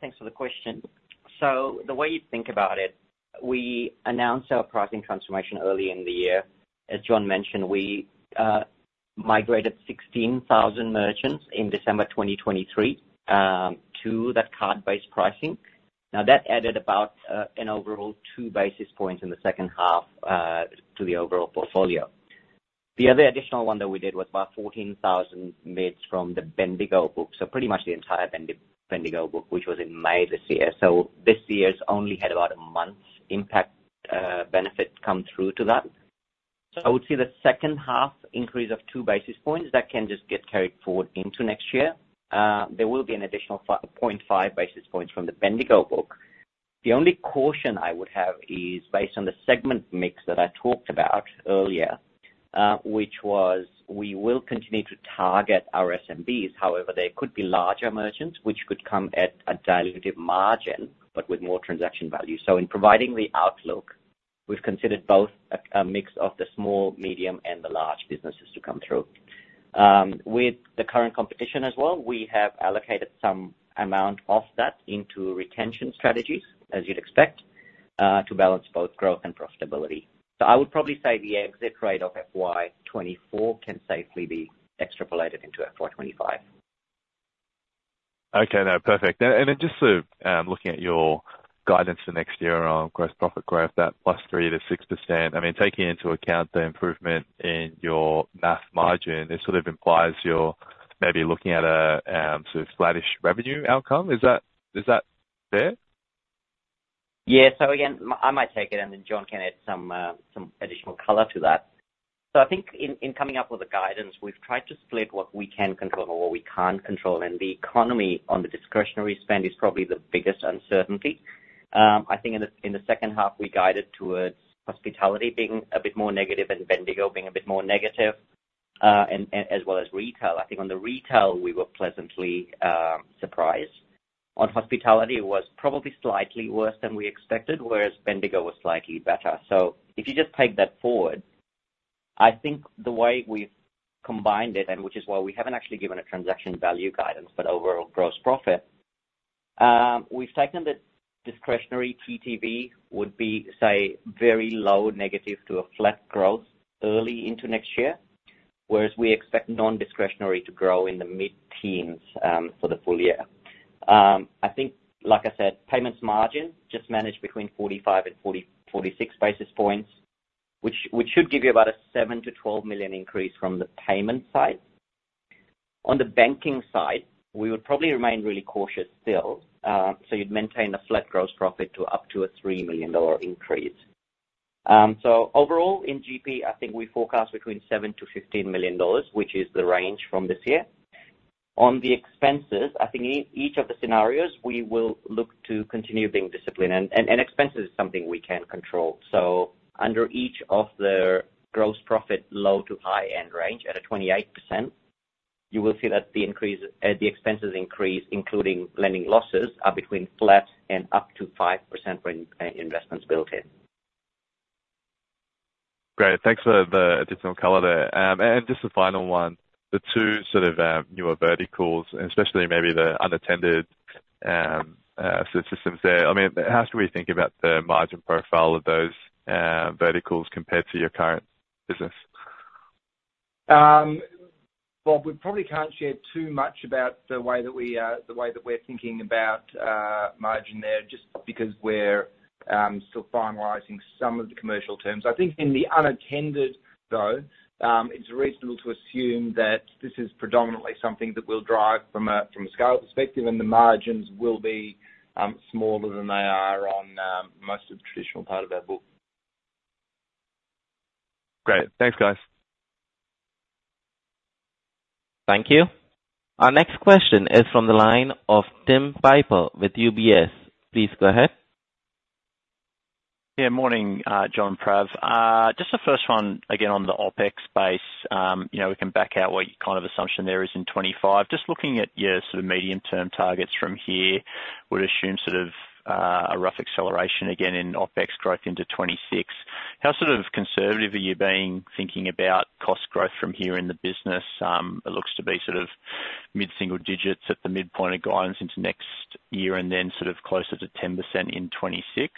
Thanks for the question. So the way you think about it, we announced our pricing transformation early in the year. As John mentioned, we migrated sixteen thousand merchants in December 2023 to that card-based pricing. Now, that added about an overall two basis points in the second half to the overall portfolio. The other additional one that we did was about fourteen thousand MIDs from the Bendigo book, so pretty much the entire Bendigo book, which was in May this year. So this year's only had about a month's impact benefit come through to that. So I would say the second half increase of two basis points, that can just get carried forward into next year. There will be an additional point five basis points from the Bendigo book. The only caution I would have is based on the segment mix that I talked about earlier, which was we will continue to target our SMBs. However, there could be larger merchants, which could come at a dilutive margin, but with more transaction value. So in providing the outlook, we've considered both a mix of the small, medium, and the large businesses to come through. With the current competition as well, we have allocated some amount of that into retention strategies, as you'd expect, to balance both growth and profitability. So I would probably say the exit rate of FY 2024 can safely be extrapolated into FY 2025. Okay, no, perfect. And then just to looking at your guidance for next year on gross profit growth, that plus 3%-6%, I mean, taking into account the improvement in your gross margin, it sort of implies you're maybe looking at a sort of flattish revenue outcome. Is that fair? Yeah. So again, I might take it, and then John can add some additional color to that. So I think in coming up with the guidance, we've tried to split what we can control and what we can't control, and the economy on the discretionary spend is probably the biggest uncertainty. I think in the second half, we guided towards hospitality being a bit more negative and Bendigo being a bit more negative, and as well as retail. I think on the retail, we were pleasantly surprised. On hospitality, it was probably slightly worse than we expected, whereas Bendigo was slightly better. So if you just take that forward, I think the way we've combined it, and which is why we haven't actually given a transaction value guidance, but overall gross profit, we've taken the discretionary TTV would be, say, very low negative to a flat growth early into next year, whereas we expect non-discretionary to grow in the mid-teens for the full year. I think, like I said, payments margin just managed between 45-46 basis points, which should give you about a 7-12 million increase from the payment side. On the banking side, we would probably remain really cautious still. So you'd maintain a flat gross profit to up to a 3 million dollar increase. So overall, in GP, I think we forecast between 7-15 million dollars, which is the range from this year. On the expenses, I think each of the scenarios, we will look to continue being disciplined, and expenses is something we can control. So under each of the gross profit, low to high-end range, at a 28%, you will see that the increase, the expenses increase, including lending losses, are between flat and up to 5% when, investments built in. Great. Thanks for the additional color there. And just a final one: the two sort of newer verticals, and especially maybe the unattended systems there, I mean, how should we think about the margin profile of those verticals compared to your current business? Bob, we probably can't share too much about the way that we, the way that we're thinking about, margin there, just because we're still finalizing some of the commercial terms. I think in the unattended, though, it's reasonable to assume that this is predominantly something that we'll drive from a scale perspective, and the margins will be smaller than they are on most of the traditional part of our book. Great. Thanks, guys. Thank you. Our next question is from the line of Tim Piper with UBS. Please go ahead.... Yeah, morning, John and Prav. Just the first one, again, on the OpEx base. You know, we can back out what kind of assumption there is in 2025. Just looking at your sort of medium-term targets from here, would assume sort of a rough acceleration again in OpEx growth into 2026. How sort of conservative are you being, thinking about cost growth from here in the business? It looks to be sort of mid-single digits at the midpoint of guidance into next year, and then sort of closer to 10% in 2026.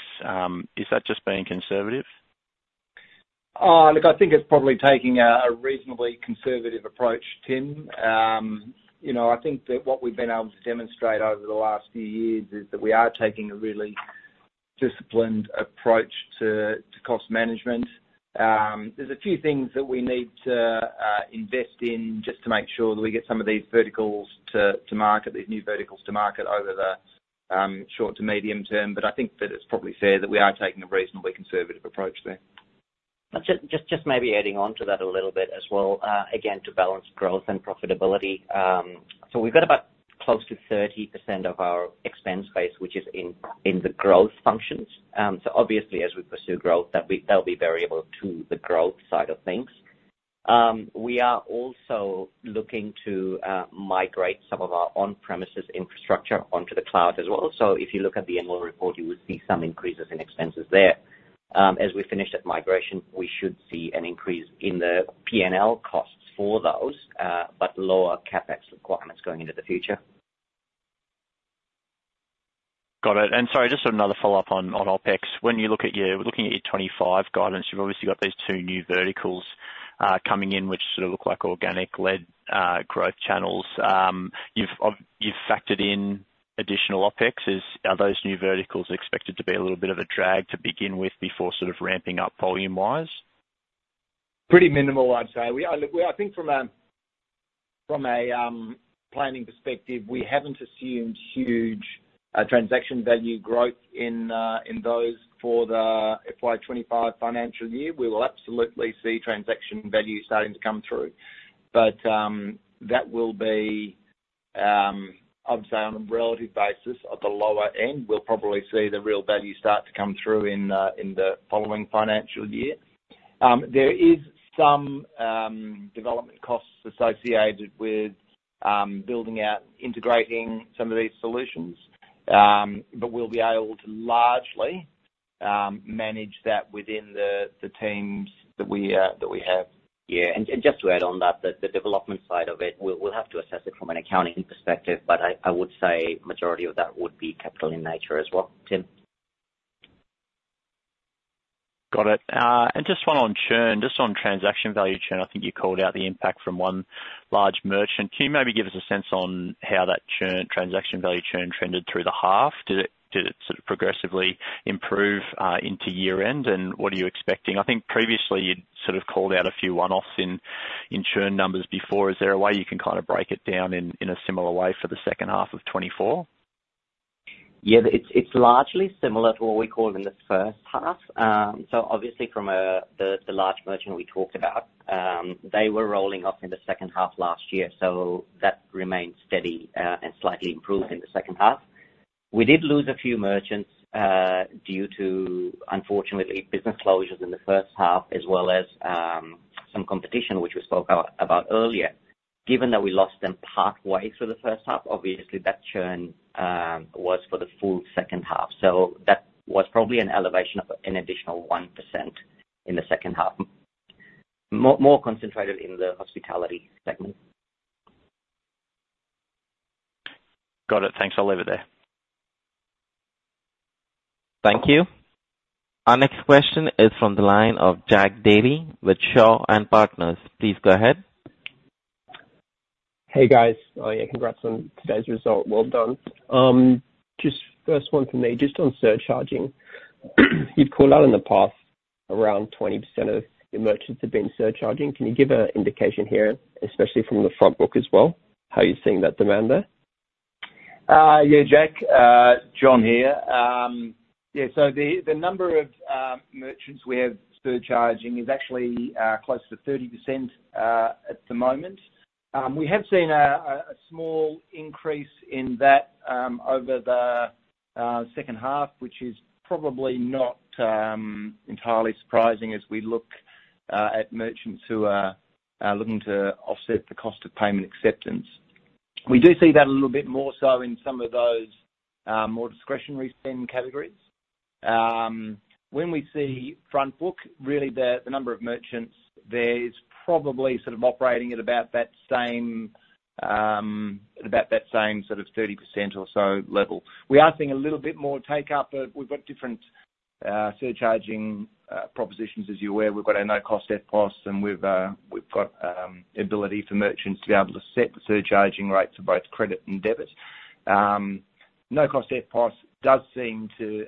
Is that just being conservative? Look, I think it's probably taking a reasonably conservative approach, Tim. You know, I think that what we've been able to demonstrate over the last few years is that we are taking a really disciplined approach to cost management. There's a few things that we need to invest in just to make sure that we get some of these verticals to market, these new verticals to market over the short to medium term. But I think that it's probably fair that we are taking a reasonably conservative approach there. Just maybe adding on to that a little bit as well, again, to balance growth and profitability. We've got about close to 30% of our expense base, which is in the growth functions. Obviously, as we pursue growth, they'll be variable to the growth side of things. We are also looking to migrate some of our on-premises infrastructure onto the cloud as well. If you look at the annual report, you would see some increases in expenses there. As we finish that migration, we should see an increase in the P&L costs for those, but lower CapEx requirements going into the future. Got it. And sorry, just another follow-up on OpEx. When you look at your... Looking at your 2025 guidance, you've obviously got these two new verticals coming in, which sort of look like organic-led growth channels. You've factored in additional OpEx. Are those new verticals expected to be a little bit of a drag to begin with before sort of ramping up volume-wise? Pretty minimal, I'd say. Look, I think from a planning perspective, we haven't assumed huge transaction value growth in those for the FY twenty-five financial year. We will absolutely see transaction value starting to come through. But that will be, I'd say on a relative basis, at the lower end. We'll probably see the real value start to come through in the following financial year. There is some development costs associated with building out, integrating some of these solutions. But we'll be able to largely manage that within the teams that we have. Yeah. And just to add on that, the development side of it, we'll have to assess it from an accounting perspective, but I would say majority of that would be capital in nature as well, Tim. Got it. And just one on churn, just on transaction value churn, I think you called out the impact from one large merchant. Can you maybe give us a sense on how that churn, transaction value churn trended through the half? Did it, did it sort of progressively improve, into year-end, and what are you expecting? I think previously, you'd sort of called out a few one-offs in churn numbers before. Is there a way you can kind of break it down in a similar way for the second half of 2024? Yeah, it's largely similar to what we called in the first half. So obviously from the large merchant we talked about, they were rolling off in the second half last year, so that remained steady and slightly improved in the second half. We did lose a few merchants due to, unfortunately, business closures in the first half, as well as some competition, which we spoke about earlier. Given that we lost them partway through the first half, obviously that churn was for the full second half. So that was probably an elevation of an additional 1% in the second half. More concentrated in the hospitality segment. Got it. Thanks. I'll leave it there. Thank you. Our next question is from the line of Jack Davey with Shaw and Partners. Please go ahead. Hey, guys. Yeah, congrats on today's result. Well done. Just first one from me, just on surcharging. You'd called out in the past, around 20% of your merchants have been surcharging. Can you give an indication here, especially from the front book as well, how you're seeing that demand there? Yeah, Jack, John here. Yeah, so the number of merchants we have surcharging is actually close to 30% at the moment. We have seen a small increase in that over the second half, which is probably not entirely surprising as we look at merchants who are looking to offset the cost of payment acceptance. We do see that a little bit more so in some of those more discretionary spend categories. When we see front book, really, the number of merchants there is probably sort of operating at about that same sort of 30% or so level. We are seeing a little bit more take up, but we've got different surcharging propositions. As you're aware, we've got our no-cost EFTPOS, and we've got ability for merchants to be able to set the surcharging rates for both credit and debit. No-cost EFTPOS does seem to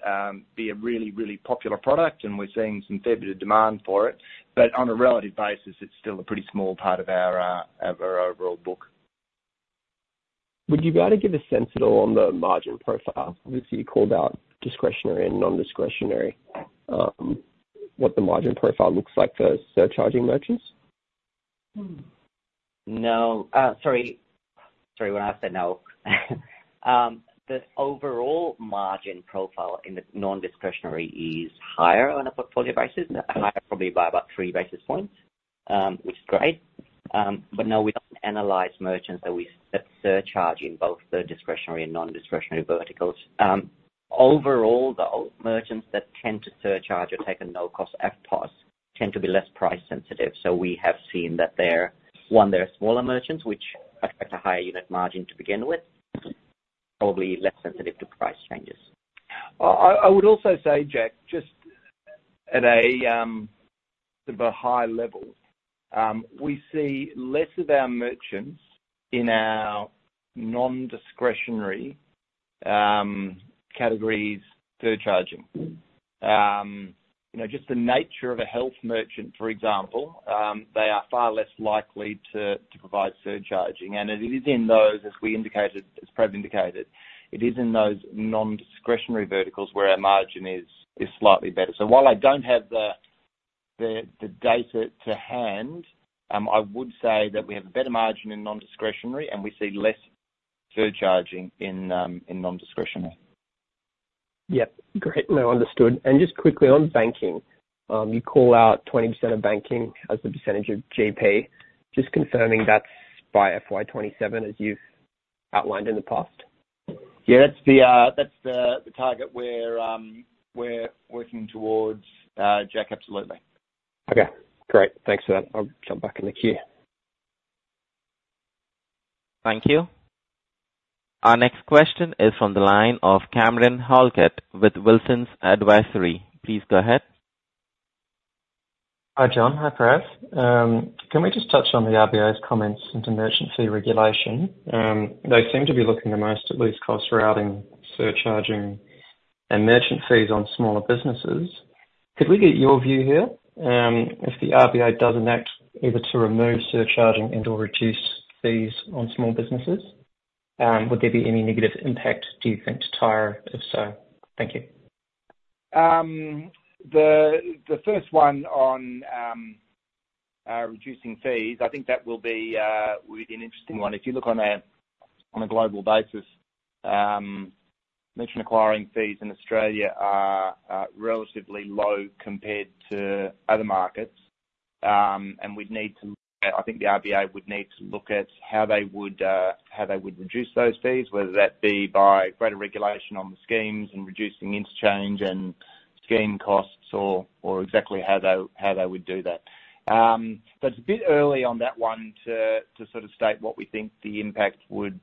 be a really, really popular product, and we're seeing some fair bit of demand for it. But on a relative basis, it's still a pretty small part of our of our overall book. Would you be able to give a sense at all on the margin profile? Obviously, you called out discretionary and non-discretionary, what the margin profile looks like for surcharging merchants? No, sorry, sorry, when I said no. The overall margin profile in the non-discretionary is higher on a portfolio basis, higher probably by about three basis points, which is great. But no, we don't analyze merchants that we, that surcharge in both the discretionary and non-discretionary verticals. Overall, though, merchants that tend to surcharge or take a no-cost EFTPOS tend to be less price sensitive, so we have seen that they're, one, they're smaller merchants, which affect a higher unit margin to begin with, probably less sensitive to price changes. I would also say, Jack, just at a sort of high level, we see less of our merchants in our non-discretionary categories surcharging. You know, just the nature of a health merchant, for example, they are far less likely to provide surcharging. And it is in those, as we indicated, as Prav indicated, it is in those non-discretionary verticals where our margin is slightly better. So while I don't have the data to hand, I would say that we have a better margin in non-discretionary, and we see less surcharging in non-discretionary. Yep, great. No, understood. And just quickly on banking, you call out 20% of banking as the percentage of GP, just confirming that's by FY 2027, as you've outlined in the past? Yeah, that's the target we're working towards, Jack. Absolutely. Okay, great. Thanks for that. I'll jump back in the queue. Thank you. Our next question is from the line of Cameron Halkett with Wilsons Advisory. Please go ahead. Hi, John. Hi, Prav. Can we just touch on the RBA's comments into merchant fee regulation? They seem to be looking the most at least cost routing, surcharging, and merchant fees on smaller businesses. Could we get your view here, if the RBA doesn't act either to remove surcharging and/or reduce fees on small businesses, would there be any negative impact, do you think, to Tyro, if so? Thank you. The first one on reducing fees, I think that would be an interesting one. If you look on a global basis, merchant acquiring fees in Australia are relatively low compared to other markets, and we'd need to. I think the RBA would need to look at how they would reduce those fees, whether that be by greater regulation on the schemes and reducing interchange and scheme costs, or exactly how they would do that, but it's a bit early on that one to sort of state what we think the impact would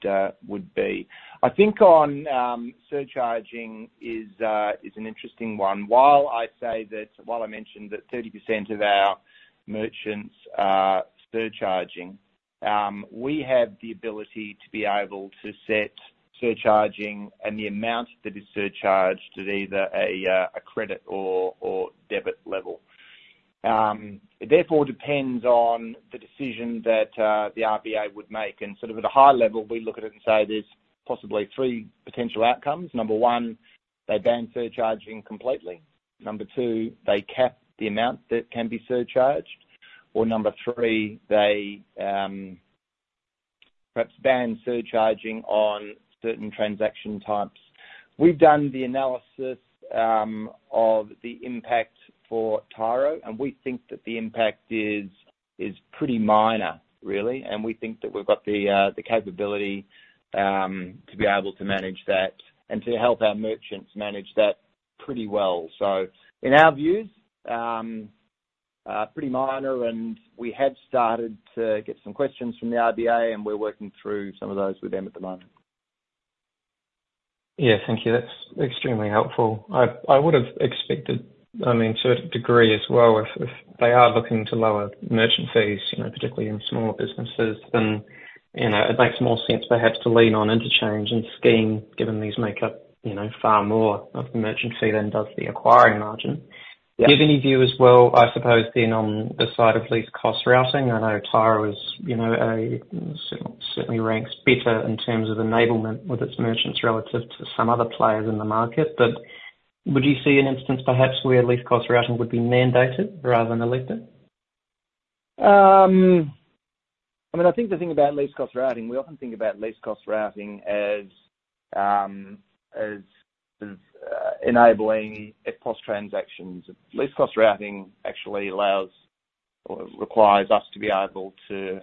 be. I think on surcharging is an interesting one. While I say that, while I mentioned that 30% of our merchants are surcharging, we have the ability to be able to set surcharging and the amount that is surcharged at either a credit or debit level. It therefore depends on the decision that the RBA would make, and sort of at a high level, we look at it and say there's possibly three potential outcomes. Number one, they ban surcharging completely. Number two, they cap the amount that can be surcharged. Or number three, they perhaps ban surcharging on certain transaction types. We've done the analysis of the impact for Tyro, and we think that the impact is pretty minor, really, and we think that we've got the capability to be able to manage that and to help our merchants manage that pretty well. In our views, pretty minor, and we have started to get some questions from the RBA, and we're working through some of those with them at the moment. Yeah. Thank you. That's extremely helpful. I would've expected, I mean, to a degree as well, if they are looking to lower merchant fees, you know, particularly in smaller businesses, then, you know, it makes more sense perhaps to lean on interchange and scheme, given these make up, you know, far more of merchant fee than does the acquiring margin. Yeah. Do you have any view as well, I suppose then, on the side of least cost routing? I know Tyro is, you know, certainly ranks better in terms of enablement with its merchants relative to some other players in the market. But would you see an instance, perhaps, where least cost routing would be mandated rather than elected? I mean, I think the thing about least cost routing, we often think about least cost routing as enabling EFTPOS transactions. Least cost routing actually allows or requires us to be able to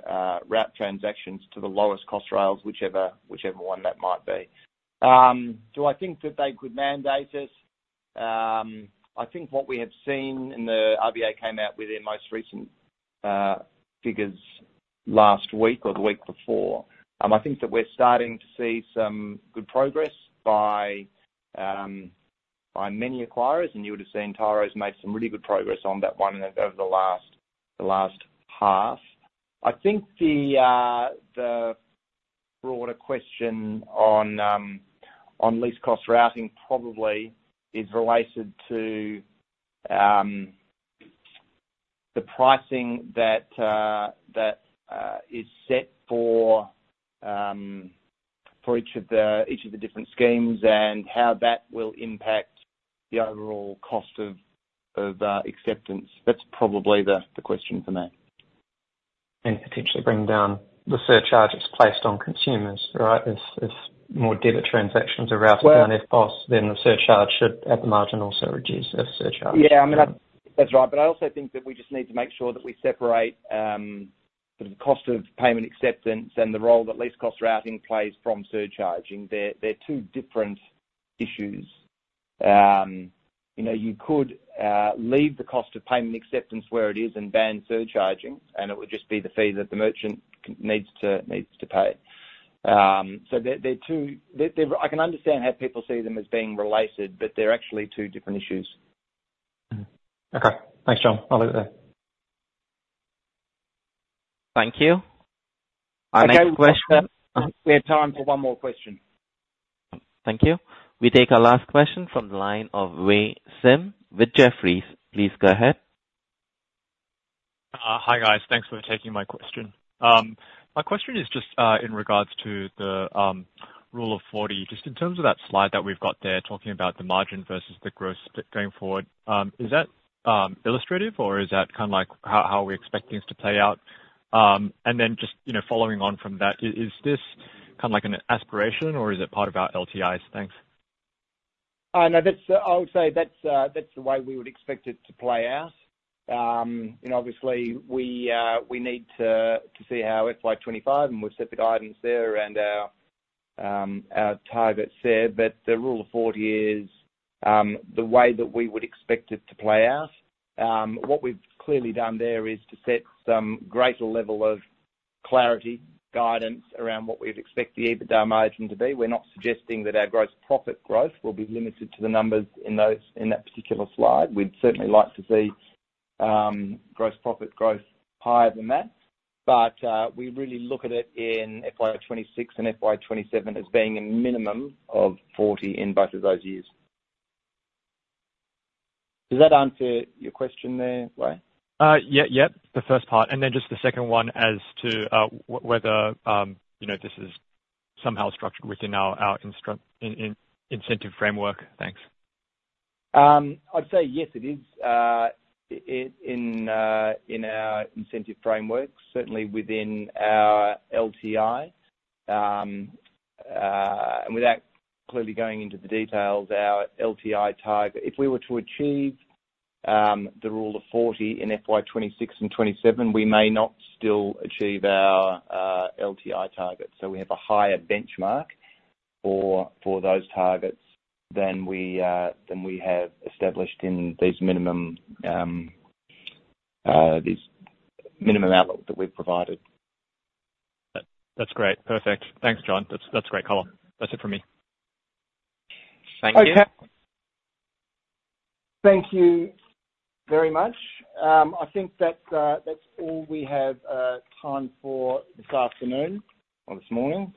route transactions to the lowest cost rails, whichever one that might be. Do I think that they could mandate it? I think what we have seen, and the RBA came out with their most recent figures last week or the week before, I think that we're starting to see some good progress by many acquirers, and you would have seen Tyro's made some really good progress on that one over the last half. I think the broader question on least cost routing probably is related to the pricing that is set for... for each of the different schemes, and how that will impact the overall cost of acceptance. That's probably the question for me. Potentially bring down the surcharges placed on consumers, right? If more debit transactions are routed down EFTPOS, then the surcharge should, at the margin, also reduce the surcharge. Yeah, I mean, that's right. But I also think that we just need to make sure that we separate the cost of payment acceptance and the role that least-cost routing plays from surcharging. They're two different issues. You know, you could leave the cost of payment acceptance where it is and ban surcharging, and it would just be the fee that the merchant needs to pay. So they're two... I can understand how people see them as being related, but they're actually two different issues. Okay. Thanks, John. I'll leave it there. Thank you. Our next question- We have time for one more question. Thank you. We take our last question from the line of Wei Sim with Jefferies. Please go ahead. Hi, guys. Thanks for taking my question. My question is just in regards to the rule of 40. Just in terms of that slide that we've got there, talking about the margin versus the gross profit going forward, is that illustrative, or is that kind of like how we expect things to play out? And then just, you know, following on from that, is this kind of like an aspiration or is it part of our LTIs? Thanks. No, that's the way we would expect it to play out. You know, obviously, we need to see how FY 2025 and we've set the guidance there and our target there. But the Rule of 40 is the way that we would expect it to play out. What we've clearly done there is to set some greater level of clarity, guidance around what we'd expect the EBITDA margin to be. We're not suggesting that our gross profit growth will be limited to the numbers in those, in that particular slide. We'd certainly like to see gross profit growth higher than that, but we really look at it in FY 2026 and FY 2027 as being a minimum of 40 in both of those years. Does that answer your question there, Wei? Yeah, yep, the first part, and then just the second one as to whether, you know, this is somehow structured within our incentive framework. Thanks. I'd say yes, it is in our incentive framework, certainly within our LTI, and without clearly going into the details, our LTI target, if we were to achieve the Rule of 40 in FY 2026 and 2027, we may not still achieve our LTI targets. So we have a higher benchmark for those targets than we have established in these minimum outlook that we've provided. That, that's great. Perfect. Thanks, John. That's, that's a great color. That's it for me. Thank you. Okay. Thank you very much. I think that's all we have time for this afternoon or this morning.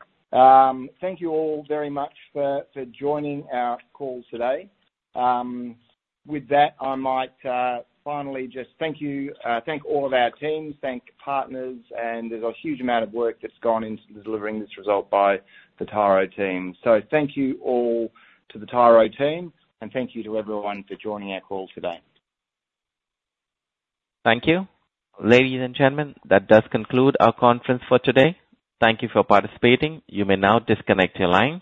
Thank you all very much for joining our call today. With that, I might finally just thank all of our teams, thank partners, and there's a huge amount of work that's gone into delivering this result by the Tyro team. So thank you all to the Tyro team, and thank you to everyone for joining our call today. Thank you. Ladies and gentlemen, that does conclude our conference for today. Thank you for participating. You may now disconnect your lines.